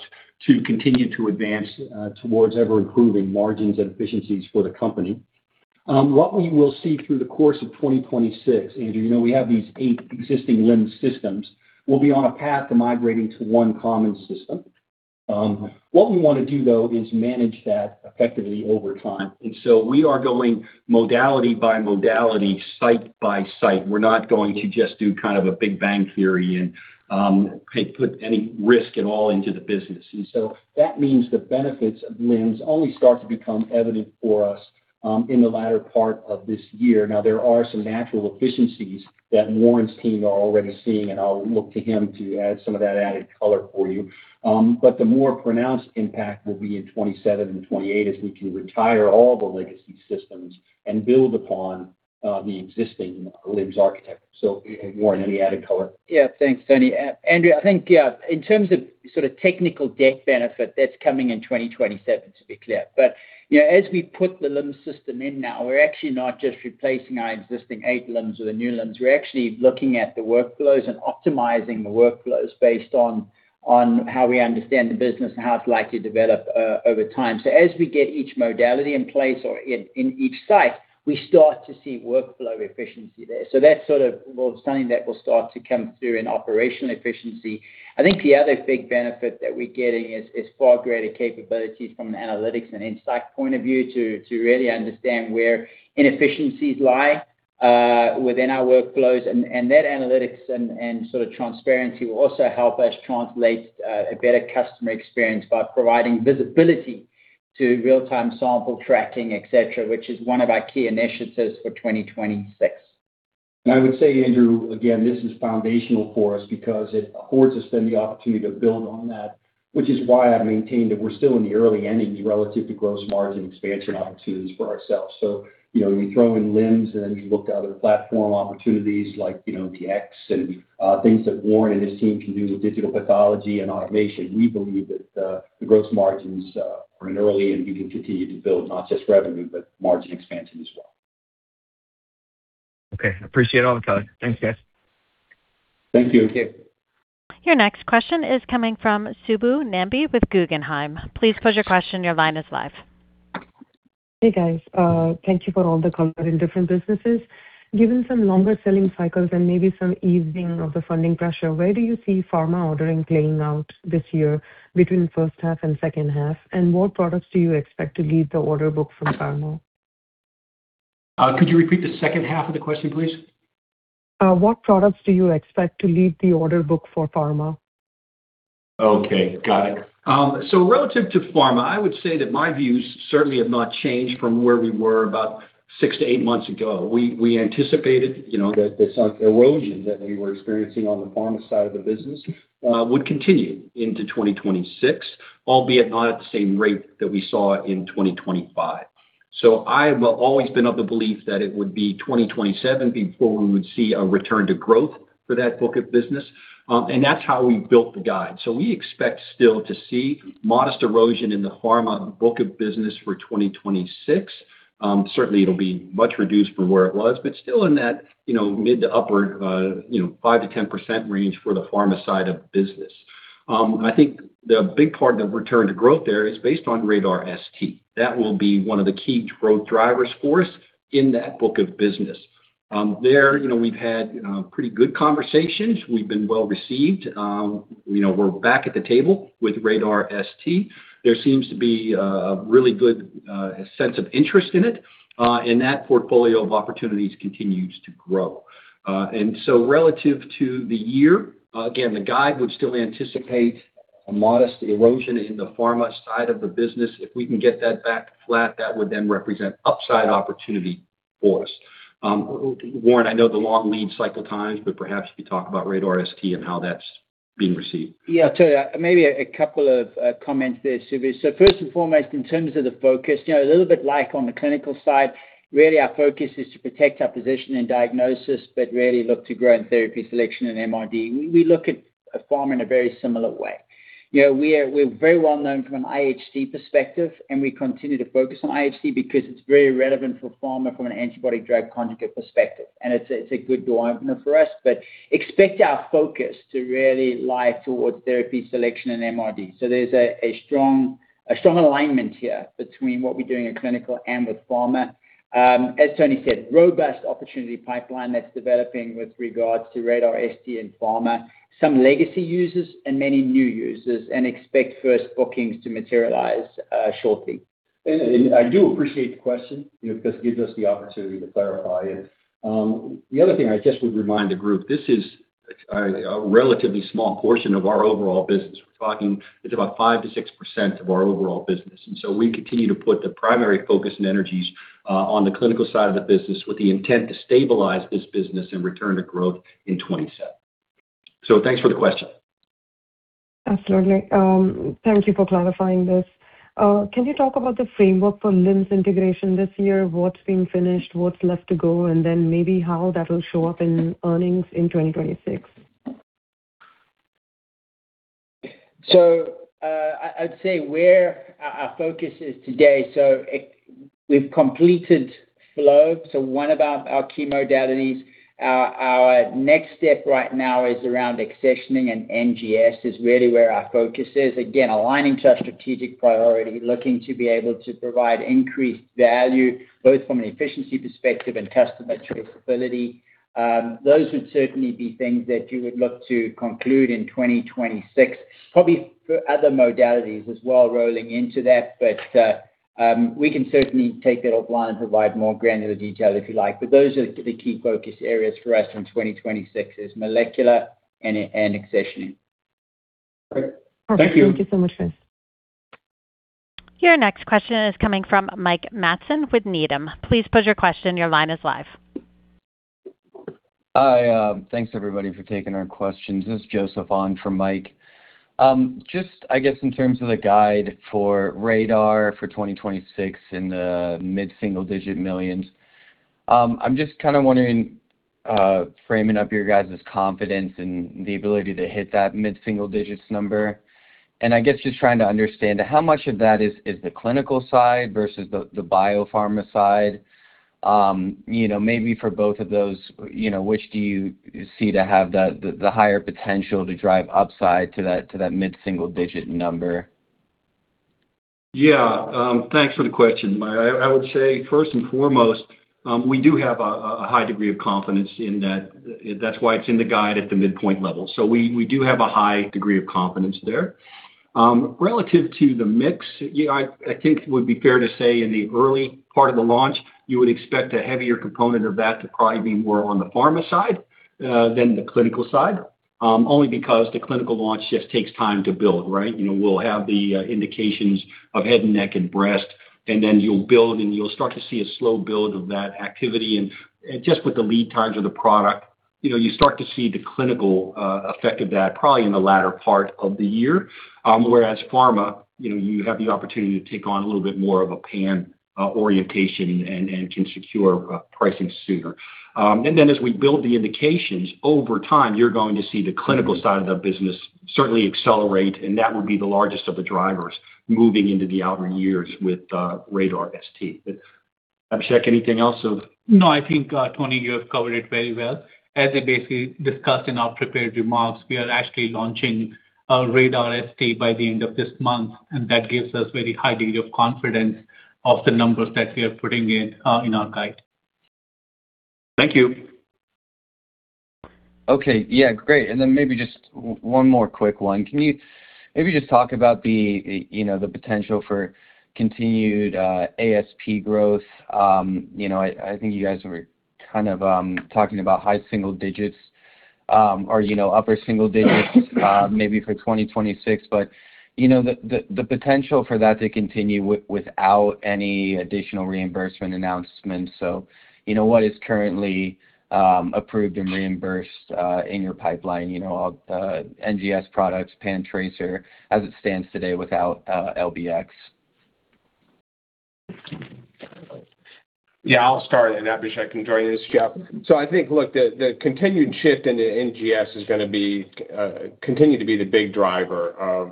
to continue to advance towards ever-improving margins and efficiencies for the company. What we will see through the course of 2026, Andrew, you know, we have these eight existing LIMS systems, we'll be on a path to migrating to one common system. What we want to do, though, is manage that effectively over time. And so we are going modality by modality, site by site. We're not going to just do kind of a big bang theory and put any risk at all into the business. And so that means the benefits of LIMS only start to become evident for us, in the latter part of this year. Now, there are some natural efficiencies that Warren's team are already seeing, and I'll look to him to add some of that added color for you. But the more pronounced impact will be in 2027 and 2028, as we can retire all the legacy systems and build upon, the existing LIMS architecture. So, Warren, any added color? Yeah. Thanks, Tony. Andrew, I think, yeah, in terms of sort of technical debt benefit, that's coming in 2027, to be clear. But, you know, as we put the LIMS system in now, we're actually not just replacing our existing 8 LIMS with the new LIMS. We're actually looking at the workflows and optimizing the workflows based on how we understand the business and how it's likely to develop over time. So as we get each modality in place or in each site, we start to see workflow efficiency there. So that's sort of, well, something that will start to come through in operational efficiency. I think the other big benefit that we're getting is far greater capabilities from an analytics and insight point of view to really understand where inefficiencies lie within our workflows. That analytics and sort of transparency will also help us translate a better customer experience by providing visibility to real-time sample tracking, et cetera, which is one of our key initiatives for 2026. I would say, Andrew, again, this is foundational for us because it affords us then the opportunity to build on that, which is why I maintained that we're still in the early innings relative to gross margin expansion opportunities for ourselves. You know, we throw in LIMS, and then you look at other platform opportunities like, you know, DX and things that Warren and his team can do with digital pathology and automation. We believe that the gross margins are in early, and we can continue to build not just revenue, but margin expansion as well. Okay, appreciate all the color. Thanks, guys. Thank you. Okay. Your next question is coming from Subbu Nambi with Guggenheim. Please pose your question. Your line is live. Hey, guys. Thank you for all the color in different businesses. Given some longer selling cycles and maybe some easing of the funding pressure, where do you see pharma ordering playing out this year between the first half and second half? And what products do you expect to lead the order book from pharma? Could you repeat the second half of the question, please? What products do you expect to lead the order book for pharma?... Okay, got it. So relative to pharma, I would say that my views certainly have not changed from where we were about 6-8 months ago. We, we anticipated, you know, that this erosion that we were experiencing on the pharma side of the business, would continue into 2026, albeit not at the same rate that we saw in 2025. So I have always been of the belief that it would be 2027 before we would see a return to growth for that book of business. And that's how we built the guide. So we expect still to see modest erosion in the pharma book of business for 2026. Certainly, it'll be much reduced from where it was, but still in that, you know, mid to upper, you know, 5%-10% range for the pharma side of business. I think the big part of the return to growth there is based on RaDaR ST. That will be one of the key growth drivers for us in that book of business. You know, we've had pretty good conversations. We've been well-received. You know, we're back at the table with RaDaR ST. There seems to be a really good sense of interest in it, and that portfolio of opportunities continues to grow. And so relative to the year, again, the guide would still anticipate a modest erosion in the pharma side of the business. If we can get that back flat, that would then represent upside opportunity for us. Warren, I know the long lead cycle times, but perhaps you could talk about RaDaR ST and how that's being received. Yeah, Tony, maybe a couple of comments there, Subbu. So first and foremost, in terms of the focus, you know, a little bit like on the clinical side, really, our focus is to protect our position in diagnosis, but really look to grow in therapy selection and MRD. We look at pharma in a very similar way. You know, we are... We're very well known from an IHC perspective, and we continue to focus on IHC because it's very relevant for pharma from an antibody-drug conjugate perspective, and it's a good door opener for us. But expect our focus to really lie towards therapy selection and MRD. So there's a strong alignment here between what we're doing in clinical and with pharma. As Tony said, robust opportunity pipeline that's developing with regards to RaDaR ST and pharma, some legacy users and many new users, and expect first bookings to materialize, shortly. And I do appreciate the question. You know, this gives us the opportunity to clarify it. The other thing I just would remind the group, this is a relatively small portion of our overall business. We're talking, it's about 5%-6% of our overall business. And so we continue to put the primary focus and energies on the clinical side of the business, with the intent to stabilize this business and return to growth in 2027. So thanks for the question. Absolutely. Thank you for clarifying this. Can you talk about the framework for LIMS integration this year? What's being finished, what's left to go, and then maybe how that will show up in earnings in 2026? I'd say where our focus is today, so it. We've completed flow, so one of our key modalities. Our next step right now is around accessioning and NGS, is really where our focus is. Again, aligning to our strategic priority, looking to be able to provide increased value, both from an efficiency perspective and customer traceability. Those would certainly be things that you would look to conclude in 2026. Probably for other modalities as well, rolling into that, but we can certainly take that offline and provide more granular detail if you like. But those are the key focus areas for us in 2026, is molecular and accessioning. Great. Thank you. Okay, thank you so much, guys. Your next question is coming from Mike Matson with Needham. Please pose your question. Your line is live. Hi. Thanks, everybody, for taking our questions. This is Joseph on for Mike. Just, I guess, in terms of the guide for RaDaR for 2026 in the mid-single-digit millions, I'm just kind of wondering, framing up your guys' confidence in the ability to hit that mid-single-digit number. And I guess just trying to understand, how much of that is, is the clinical side versus the, the biopharma side? You know, maybe for both of those, you know, which do you see to have the, the, the higher potential to drive upside to that, to that mid-single-digit number? Yeah. Thanks for the question, Mike. I would say, first and foremost, we do have a high degree of confidence in that. That's why it's in the guide at the midpoint level. So we do have a high degree of confidence there. Relative to the mix, yeah, I think it would be fair to say in the early part of the launch, you would expect a heavier component of that to probably be more on the pharma side than the clinical side. Only because the clinical launch just takes time to build, right? You know, we'll have the indications of head and neck and breast, and then you'll build, and you'll start to see a slow build of that activity. And just with the lead times of the product, you know, you start to see the clinical effect of that probably in the latter part of the year. Whereas pharma, you know, you have the opportunity to take on a little bit more of a pan orientation and can secure pricing sooner. And then as we build the indications, over time, you're going to see the clinical side of the business certainly accelerate, and that would be the largest of the drivers moving into the outer years with RaDaR ST. Abhishek, anything else of- No, I think, Tony, you have covered it very well. As I basically discussed in our prepared remarks, we are actually launching, RaDaR ST by the end of this month, and that gives us very high degree of confidence of the numbers that we are putting in, in our guide. Thank you. Okay. Yeah, great. And then maybe just one more quick one. Can you maybe just talk about the, you know, the potential for continued ASP growth? You know, I think you guys were kind of talking about high single digits, or, you know, upper single digits, maybe for 2026. But, you know, the potential for that to continue without any additional reimbursement announcements. So, you know, what is currently approved and reimbursed in your pipeline, you know, NGS products, PanTracer, as it stands today without LBx? Yeah, I'll start, and Abhishek can join this, Jeff. So I think, look, the continued shift into NGS is gonna be continue to be the big driver of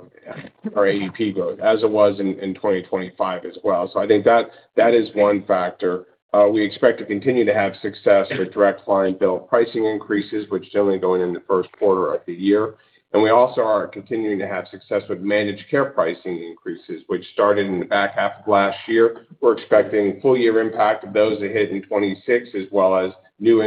our AUP growth, as it was in 2025 as well. So I think that is one factor. We expect to continue to have success with direct client bill pricing increases, which generally going in the first quarter of the year. And we also are continuing to have success with managed care pricing increases, which started in the back half of last year. We're expecting full year impact of those to hit in 2026, as well as new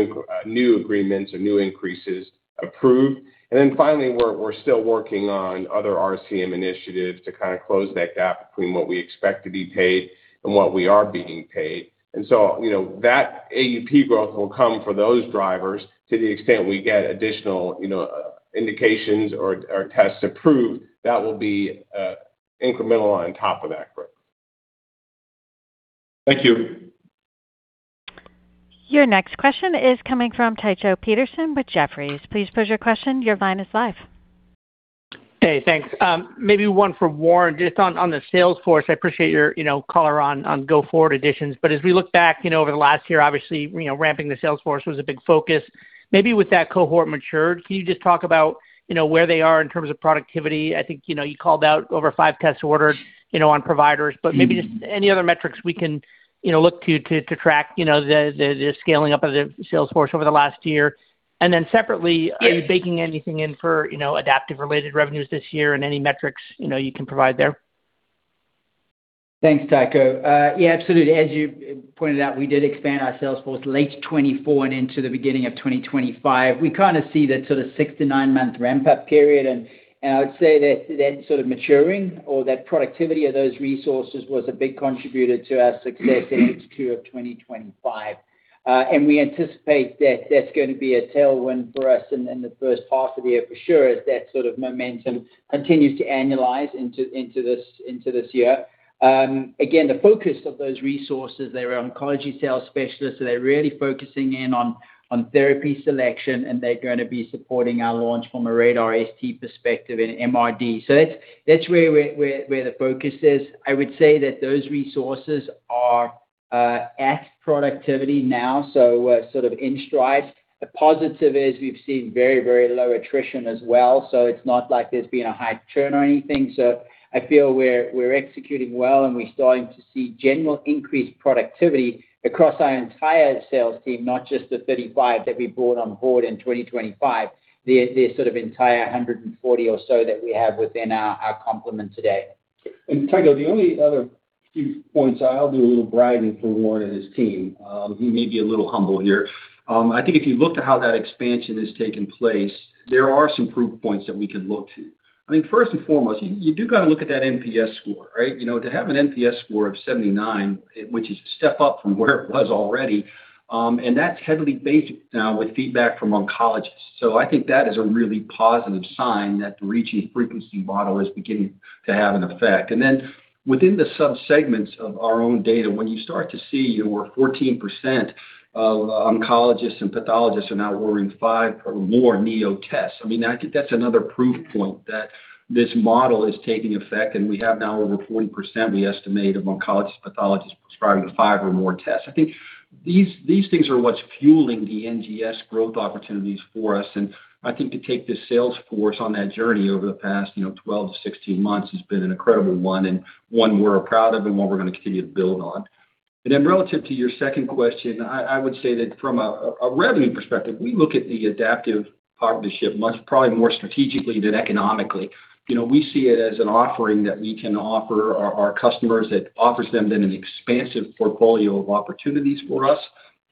agreements or new increases approved. And then finally, we're still working on other RCM initiatives to kind of close that gap between what we expect to be paid and what we are being paid. So, you know, that AUP growth will come for those drivers to the extent we get additional, you know, indications or tests approved, that will be incremental on top of that growth. Thank you. Your next question is coming from Tycho Peterson with Jefferies. Please pose your question. Your line is live. Hey, thanks. Maybe one for Warren. Just on the sales force, I appreciate your, you know, color on go-forward additions. But as we look back, you know, over the last year, obviously, you know, ramping the sales force was a big focus. Maybe with that cohort matured, can you just talk about, you know, where they are in terms of productivity? I think, you know, you called out over five tests ordered, you know, on providers. Mm-hmm. But maybe just any other metrics we can, you know, look to track, you know, the scaling up of the sales force over the last year. And then separately- Yes. Are you baking anything in for, you know, Adaptive related revenues this year and any metrics, you know, you can provide there? Thanks, Tycho. Yeah, absolutely. As you pointed out, we did expand our sales force late 2024 and into the beginning of 2025. We kind of see that sort of 6- to 9-month ramp-up period, and I would say that that sort of maturing or that productivity of those resources was a big contributor to our success in H2 of 2025. And we anticipate that that's going to be a tailwind for us in the first half of the year, for sure, as that sort of momentum continues to annualize into this year. Again, the focus of those resources, they're oncology sales specialists, so they're really focusing in on therapy selection, and they're gonna be supporting our launch from a RaDaR ST perspective in MRD. So that's where the focus is. I would say that those resources are at productivity now, so sort of in stride. The positive is we've seen very, very low attrition as well, so it's not like there's been a high churn or anything. So I feel we're executing well, and we're starting to see general increased productivity across our entire sales team, not just the 35 that we brought on board in 2025. The sort of entire 140 or so that we have within our complement today. Tycho, the only other few points, I'll do a little bragging for Warren and his team, he may be a little humble here. I think if you look to how that expansion has taken place, there are some proof points that we could look to. I mean, first and foremost, you do got to look at that NPS score, right? You know, to have an NPS score of 79, it, which is a step up from where it was already, and that's heavily based now with feedback from oncologists. So I think that is a really positive sign that the reach and frequency model is beginning to have an effect. And then within the subsegments of our own data, when you start to see 14% of oncologists and pathologists are now ordering 5 or more Neo tests, I mean, I think that's another proof point that this model is taking effect, and we have now over 40%, we estimate, of oncologists, pathologists prescribing 5 or more tests. I think these, these things are what's fueling the NGS growth opportunities for us, and I think to take this sales force on that journey over the past, you know, 12-16 months has been an incredible one, and one we're proud of and one we're gonna continue to build on. And then relative to your second question, I, I would say that from a, a revenue perspective, we look at the Adaptive partnership much, probably more strategically than economically. You know, we see it as an offering that we can offer our, our customers, that offers them then an expansive portfolio of opportunities for us.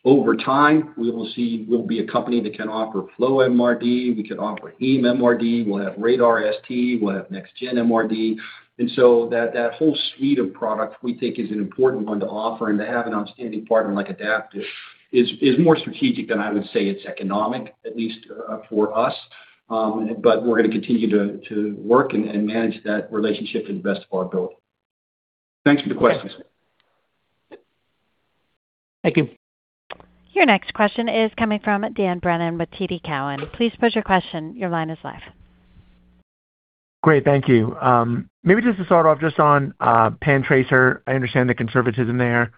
Over time, we will see... We'll be a company that can offer flow MRD, we can offer heme MRD, we'll have RaDaR ST, we'll have next gen MRD. And so that, that whole suite of products we think is an important one to offer and to have an outstanding partner like Adaptive, is, is more strategic than I would say it's economic, at least, for us. But we're gonna continue to, to work and, and manage that relationship to the best of our ability. Thanks for the questions. Thank you. Your next question is coming from Dan Brennan with TD Cowen. Please pose your question. Your line is live. Great, thank you. Maybe just to start off, just on PanTracer, I understand the conservatism there.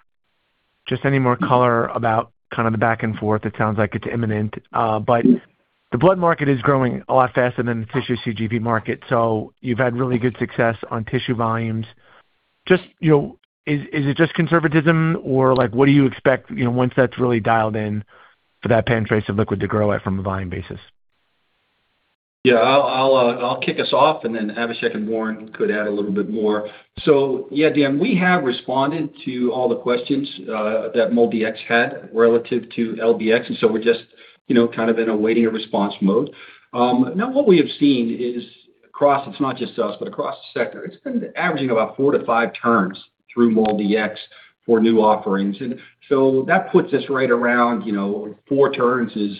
Just any more color about kind of the back and forth, it sounds like it's imminent. But the blood market is growing a lot faster than the tissue CGP market, so you've had really good success on tissue volumes. Just, you know, is, is it just conservatism, or like, what do you expect, you know, once that's really dialed in for that PanTracer liquid to grow at from a volume basis? Yeah, I'll kick us off, and then Abhishek and Warren could add a little bit more. So yeah, Dan, we have responded to all the questions that MolDX had relative to LBx, and so we're just, you know, kind of in a waiting a response mode. Now what we have seen is across, it's not just us, but across the sector, it's been averaging about 4-5 turns through MolDX for new offerings. And so that puts us right around, you know, 4 turns is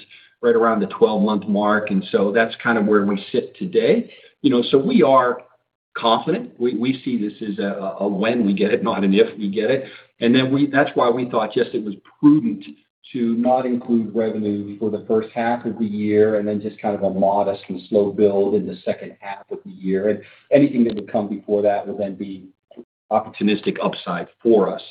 right around the 12-month mark, and so that's kind of where we sit today. You know, so we are confident. We see this as a when we get it, not an if we get it. And then we—that's why we thought, yes, it was prudent to not include revenue for the first half of the year, and then just kind of a modest and slow build in the second half of the year. And anything that would come before that would then be opportunistic upside for us.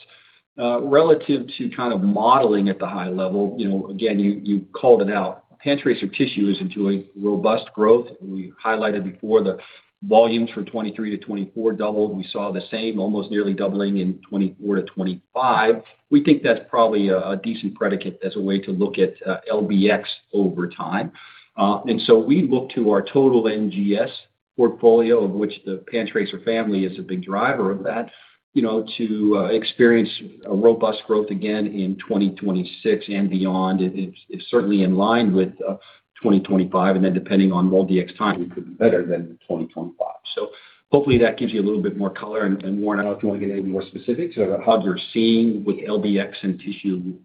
Relative to kind of modeling at the high level, you know, again, you, you called it out. PanTracer Tissue is enjoying robust growth. We highlighted before the volumes from 2023 to 2024 doubled. We saw the same, almost nearly doubling in 2024 to 2025. We think that's probably a decent predicate as a way to look at LBx over time. And so we look to our total NGS portfolio, of which the PanTracer family is a big driver of that, you know, to experience a robust growth again in 2026 and beyond. It's certainly in line with 2025, and then depending on MolDX timing, it could be better than 2025. So hopefully that gives you a little bit more color, and Warren, I don't know if you want to get any more specific about how you're seeing with LBx and tissue.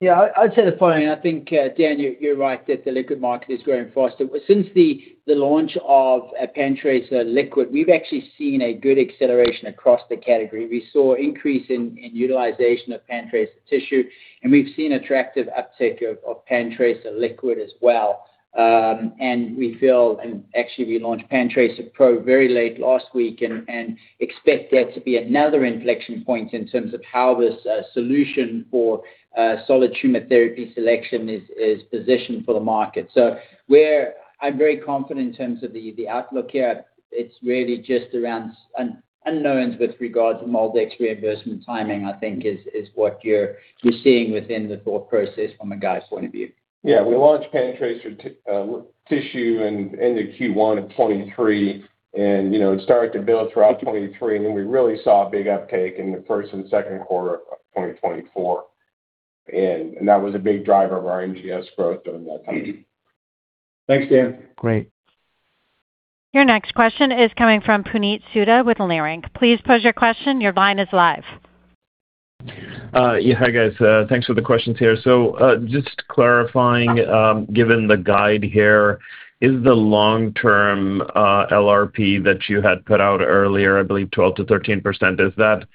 Yeah, I'd, I'd say the following. I think, Dan, you're, you're right that the liquid market is growing faster. Since the launch of PanTracer liquid, we've actually seen a good acceleration across the category. We saw increase in utilization of PanTracer Tissue, and we've seen attractive uptake of PanTracer liquid as well. And we feel... And actually, we launched PanTracer Pro very late last week and expect that to be another inflection point in terms of how this solution for solid tumor therapy selection is positioned for the market. So we're. I'm very confident in terms of the outlook here. It's really just around unknowns with regards to MolDX reimbursement timing, I think is what you're seeing within the thought process from a guide's point of view. Yeah, we launched PanTracer Tissue in end of Q1 in 2023, and, you know, it started to build throughout 2023, and then we really saw a big uptake in the first and second quarter of 2024. And that was a big driver of our NGS growth during that time. Thanks, Dan. Great. Your next question is coming from Puneet Souda with Leerink. Please pose your question. Your line is live. Yeah. Hi, guys. Thanks for the questions here. So, just clarifying, given the guide here, is the long-term, LRP that you had put out earlier, I believe 12%-13%, is that,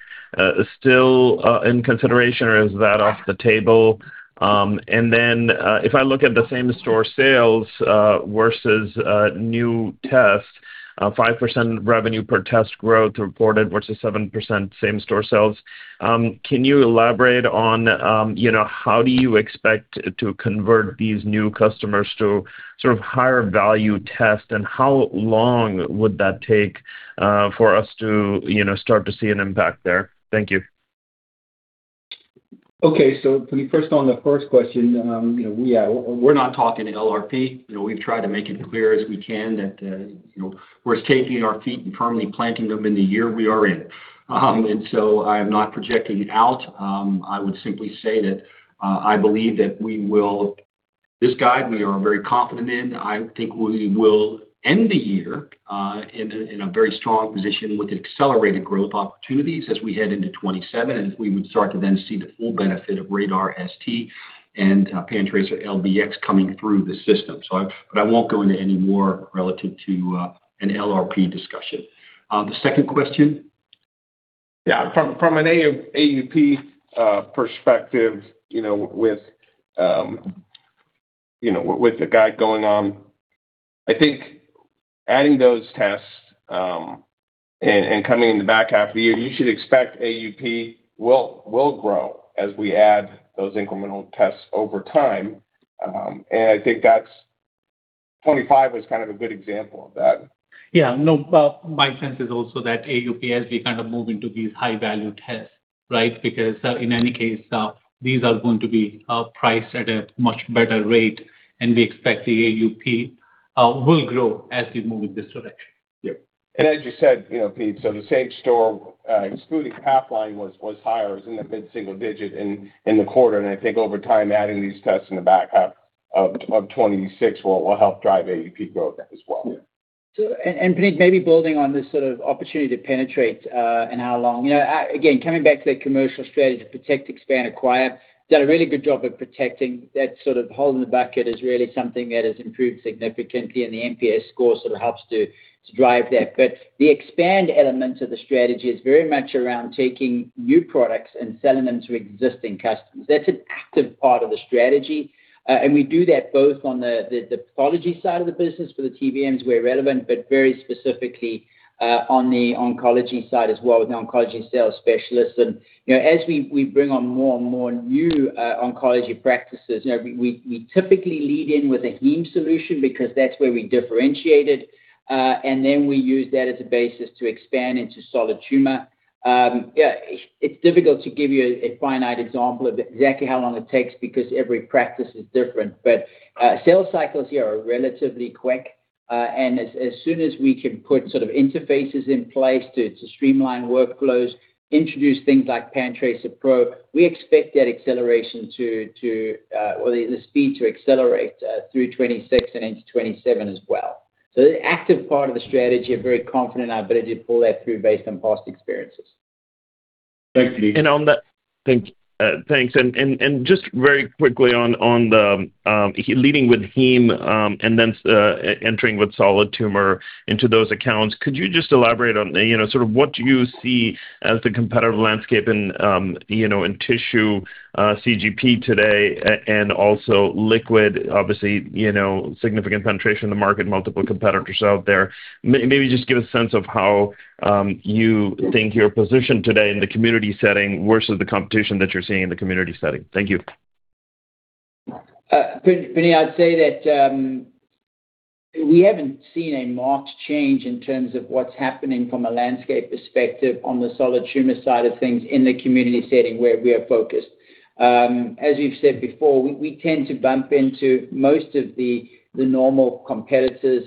still, in consideration, or is that off the table? And then, if I look at the same store sales, versus, new tests, 5% revenue per test growth reported versus 7% same-store sales, can you elaborate on, you know, how do you expect to convert these new customers to sort of higher value tests, and how long would that take, for us to, you know, start to see an impact there? Thank you. Okay, so Puneet, first on the first question, you know, we are, we're not talking LRP. You know, we've tried to make it clear as we can that, you know, we're taking our feet and firmly planting them in the year we are in. And so I'm not projecting it out. I would simply say that, I believe that we will... This guide, we are very confident in. I think we will end the year, in a, in a very strong position with accelerated growth opportunities as we head into 2027, and we would start to then see the full benefit of RaDaR ST and, PanTracer LBx coming through the system. So I-- but I won't go into any more relative to, an LRP discussion. The second question? Yeah. From an AUP perspective, you know, with the guide going on, I think adding those tests and coming in the back half of the year, you should expect AUP will grow as we add those incremental tests over time. And I think that's... 25 was kind of a good example of that. Yeah. No, but my sense is also that AUP, as we kind of move into these high-value tests, right? Because, in any case, these are going to be priced at a much better rate, and we expect the AUP will grow as we move in this direction. Yeah. And as you said, you know, Pete, so the same store, excluding Pathline was higher, it was in the mid-single digit in the quarter. And I think over time, adding these tests in the back half of 2026 will help drive AUP growth as well. So, Puneet, maybe building on this sort of opportunity to penetrate and how long... You know, again, coming back to that commercial strategy to protect, expand, acquire, done a really good job of protecting that sort of hole in the bucket is really something that has improved significantly, and the NPS score sort of helps to drive that. But the expand element of the strategy is very much around taking new products and selling them to existing customers. That's an active part of the strategy, and we do that both on the pathology side of the business for the TBMs, where relevant, but very specifically on the oncology side as well, with the oncology sales specialists. You know, as we bring on more and more new oncology practices, you know, we typically lead in with a heme solution because that's where we differentiated, and then we use that as a basis to expand into solid tumor. Yeah, it's difficult to give you a finite example of exactly how long it takes because every practice is different. But sales cycles here are relatively quick, and as soon as we can put sort of interfaces in place to streamline workflows, introduce things like PanTracer Pro, we expect that acceleration to or the speed to accelerate through 2026 and into 2027 as well. So the active part of the strategy, I'm very confident in our ability to pull that through based on past experiences.... And on that, thanks. And just very quickly on the leading with heme and then entering with solid tumor into those accounts, could you just elaborate on, you know, sort of what you see as the competitive landscape in, you know, in tissue CGP today and also liquid? Obviously, you know, significant penetration in the market, multiple competitors out there. Maybe just give a sense of how you think you're positioned today in the community setting versus the competition that you're seeing in the community setting. Thank you. Puneet, I'd say that we haven't seen a marked change in terms of what's happening from a landscape perspective on the solid tumor side of things in the community setting where we are focused. As we've said before, we tend to bump into most of the normal competitors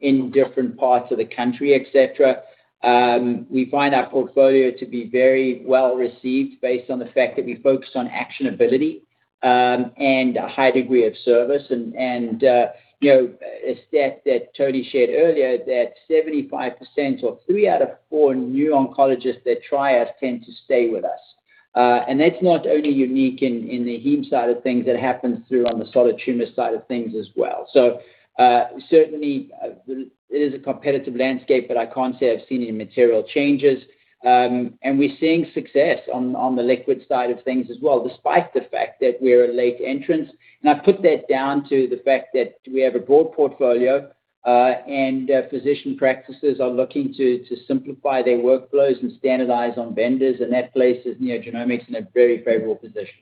in different parts of the country, et cetera. We find our portfolio to be very well received based on the fact that we focused on actionability and a high degree of service. And you know, a stat that Tony shared earlier, that 75% or 3 out of 4 new oncologists that try us tend to stay with us. And that's not only unique in the heme side of things, that happens through on the solid tumor side of things as well. So, certainly, it is a competitive landscape, but I can't say I've seen any material changes. And we're seeing success on the liquid side of things as well, despite the fact that we're a late entrant. And I put that down to the fact that we have a broad portfolio, and physician practices are looking to simplify their workflows and standardize on vendors, and that places NeoGenomics in a very favorable position.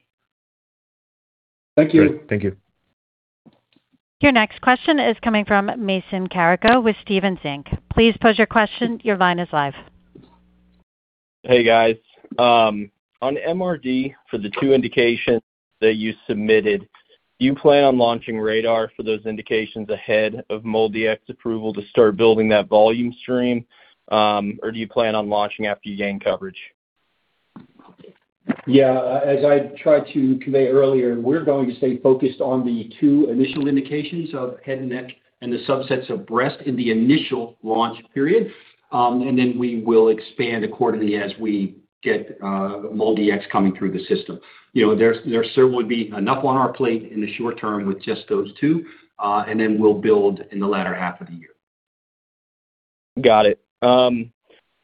Thank you. Great. Thank you. Your next question is coming from Mason Carrico with Stephens Inc. Please pose your question. Your line is live. Hey, guys. On MRD, for the two indications that you submitted, do you plan on launching RaDaR for those indications ahead of MolDX approval to start building that volume stream, or do you plan on launching after you gain coverage? Yeah, as I tried to convey earlier, we're going to stay focused on the two initial indications of head and neck and the subsets of breast in the initial launch period. And then we will expand accordingly as we get MolDX coming through the system. You know, there certainly would be enough on our plate in the short term with just those two, and then we'll build in the latter half of the year. Got it.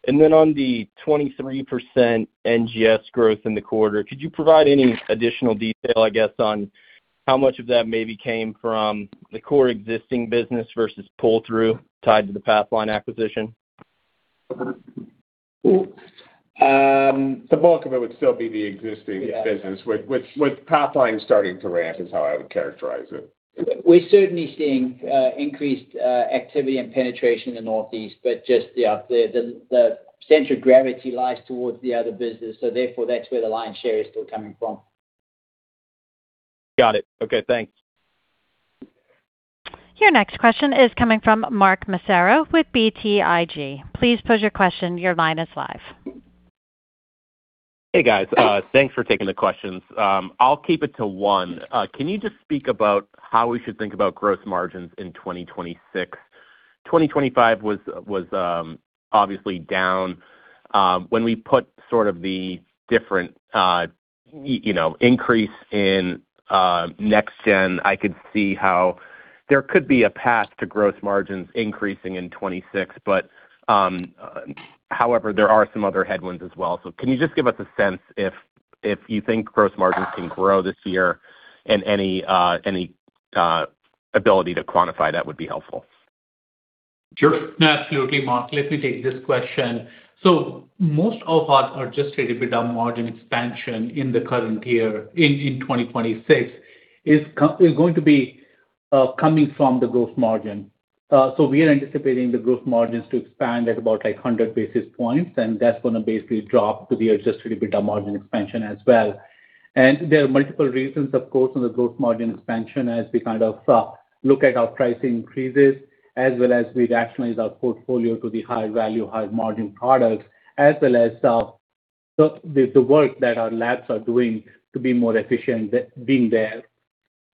And then on the 23% NGS growth in the quarter, could you provide any additional detail, I guess, on how much of that maybe came from the core existing business versus pull-through tied to the Pathline acquisition? The bulk of it would still be the existing- Yeah - business, with Pathline starting to ramp, is how I would characterize it. We're certainly seeing increased activity and penetration in the Northeast, but just, yeah, the center of gravity lies towards the other business, so therefore, that's where the lion's share is still coming from. Got it. Okay, thanks. Your next question is coming from Mark Massaro with BTIG. Please pose your question. Your line is live. Hey, guys. Thanks for taking the questions. I'll keep it to one. Can you just speak about how we should think about gross margins in 2026? 2025 was obviously down. When we put sort of the different, you know, increase in next gen, I could see how there could be a path to gross margins increasing in 2026, but however, there are some other headwinds as well. So can you just give us a sense if you think gross margins can grow this year and any ability to quantify that would be helpful. Sure. Absolutely, Mark. Let me take this question. So most of our adjusted EBITDA margin expansion in the current year, in 2026, is going to be coming from the gross margin. So we are anticipating the gross margins to expand at about 100 basis points, and that's gonna basically drop to the adjusted EBITDA margin expansion as well. And there are multiple reasons, of course, on the gross margin expansion as we kind of look at our pricing increases, as well as we rationalize our portfolio to the higher value, higher margin products, as well as the work that our labs are doing to be more efficient there.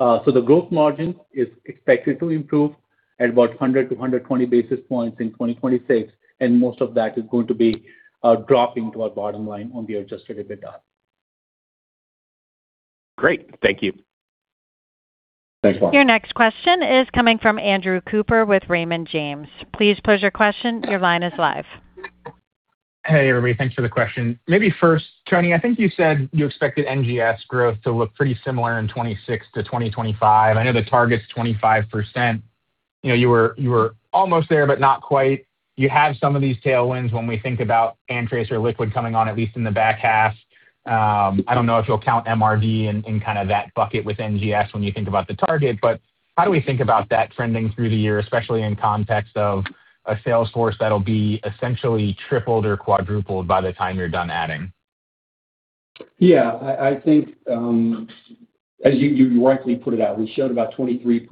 The gross margin is expected to improve at about 100-120 basis points in 2026, and most of that is going to be dropping to our bottom line on the adjusted EBITDA. Great. Thank you. Thanks, Mark. Your next question is coming from Andrew Cooper with Raymond James. Please pose your question. Your line is live. Hey, everybody. Thanks for the question. Maybe first, Tony, I think you said you expected NGS growth to look pretty similar in 2026 to 2025. I know the target's 25%. You know, you were, you were almost there, but not quite. You have some of these tailwinds when we think about PanTracer liquid coming on, at least in the back half. I don't know if you'll count MRD in, in kind of that bucket with NGS when you think about the target, but how do we think about that trending through the year, especially in context of a sales force that'll be essentially tripled or quadrupled by the time you're done adding? Yeah, I think, as you rightly put it out, we showed about 23%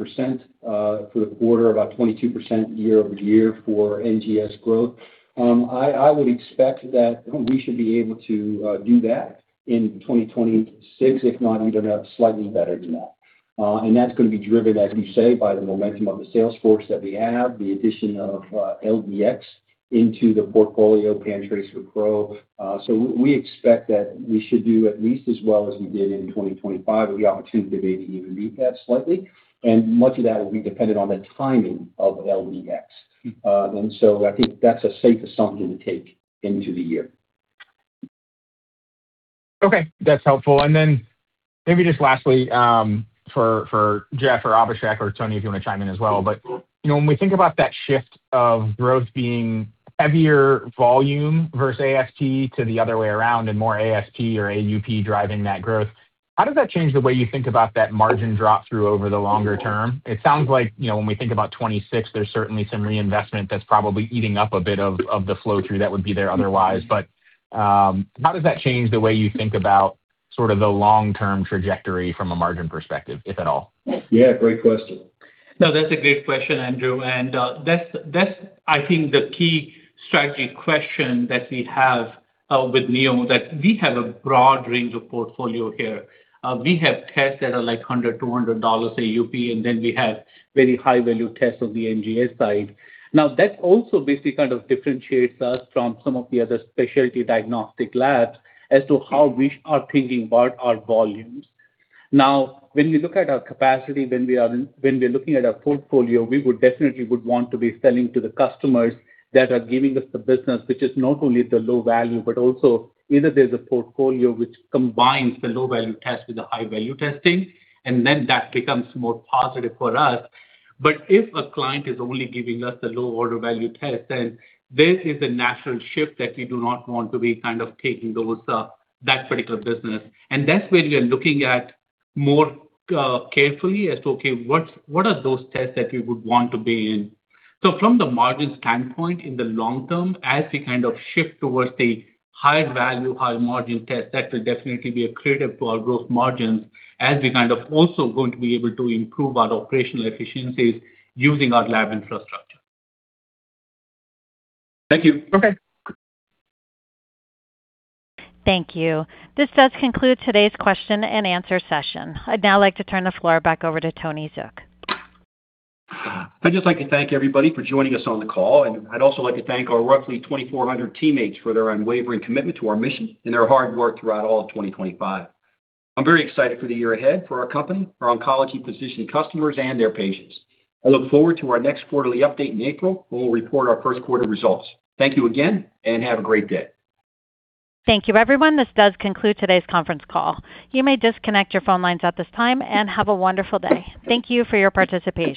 for the quarter, about 22% year over year for NGS growth. I would expect that we should be able to do that in 2026. If not, we end up slightly better than that. And that's gonna be driven, as you say, by the momentum of the sales force that we have, the addition of LBx into the portfolio, PanTracer Pro. So we expect that we should do at least as well as we did in 2025, with the opportunity to maybe even beat that slightly, and much of that will be dependent on the timing of LBx. And so I think that's a safe assumption to take into the year.... Okay, that's helpful. And then maybe just lastly, for Jeff or Abhishek or Tony, if you want to chime in as well. But, you know, when we think about that shift of growth being heavier volume versus ASP to the other way around and more ASP or AUP driving that growth, how does that change the way you think about that margin drop through over the longer term? It sounds like, you know, when we think about 2026, there's certainly some reinvestment that's probably eating up a bit of the flow through that would be there otherwise. But, how does that change the way you think about sort of the long-term trajectory from a margin perspective, if at all? Yeah, great question. No, that's a great question, Andrew. And, that's, that's I think the key strategic question that we have, with Neo, that we have a broad range of portfolio here. We have tests that are like $100, $200 AUP, and then we have very high-value tests on the NGS side. Now, that also basically kind of differentiates us from some of the other specialty diagnostic labs as to how we are thinking about our volumes. Now, when we look at our capacity, when we are, when we're looking at our portfolio, we would definitely would want to be selling to the customers that are giving us the business, which is not only the low value, but also either there's a portfolio which combines the low-value test with the high-value testing, and then that becomes more positive for us. But if a client is only giving us a low order value test, then this is a natural shift that we do not want to be kind of taking over that particular business. And that's where we are looking at more carefully as, okay, what are those tests that we would want to be in? So from the margin standpoint, in the long term, as we kind of shift towards the high value, high margin test, that will definitely be accretive to our gross margins as we're kind of also going to be able to improve our operational efficiencies using our lab infrastructure. Thank you. Okay. Thank you. This does conclude today's question and answer session. I'd now like to turn the floor back over to Tony Zook. I'd just like to thank everybody for joining us on the call, and I'd also like to thank our roughly 2,400 teammates for their unwavering commitment to our mission and their hard work throughout all of 2025. I'm very excited for the year ahead for our company, our oncology physician customers, and their patients. I look forward to our next quarterly update in April, where we'll report our first quarter results. Thank you again, and have a great day. Thank you, everyone. This does conclude today's conference call. You may disconnect your phone lines at this time and have a wonderful day. Thank you for your participation.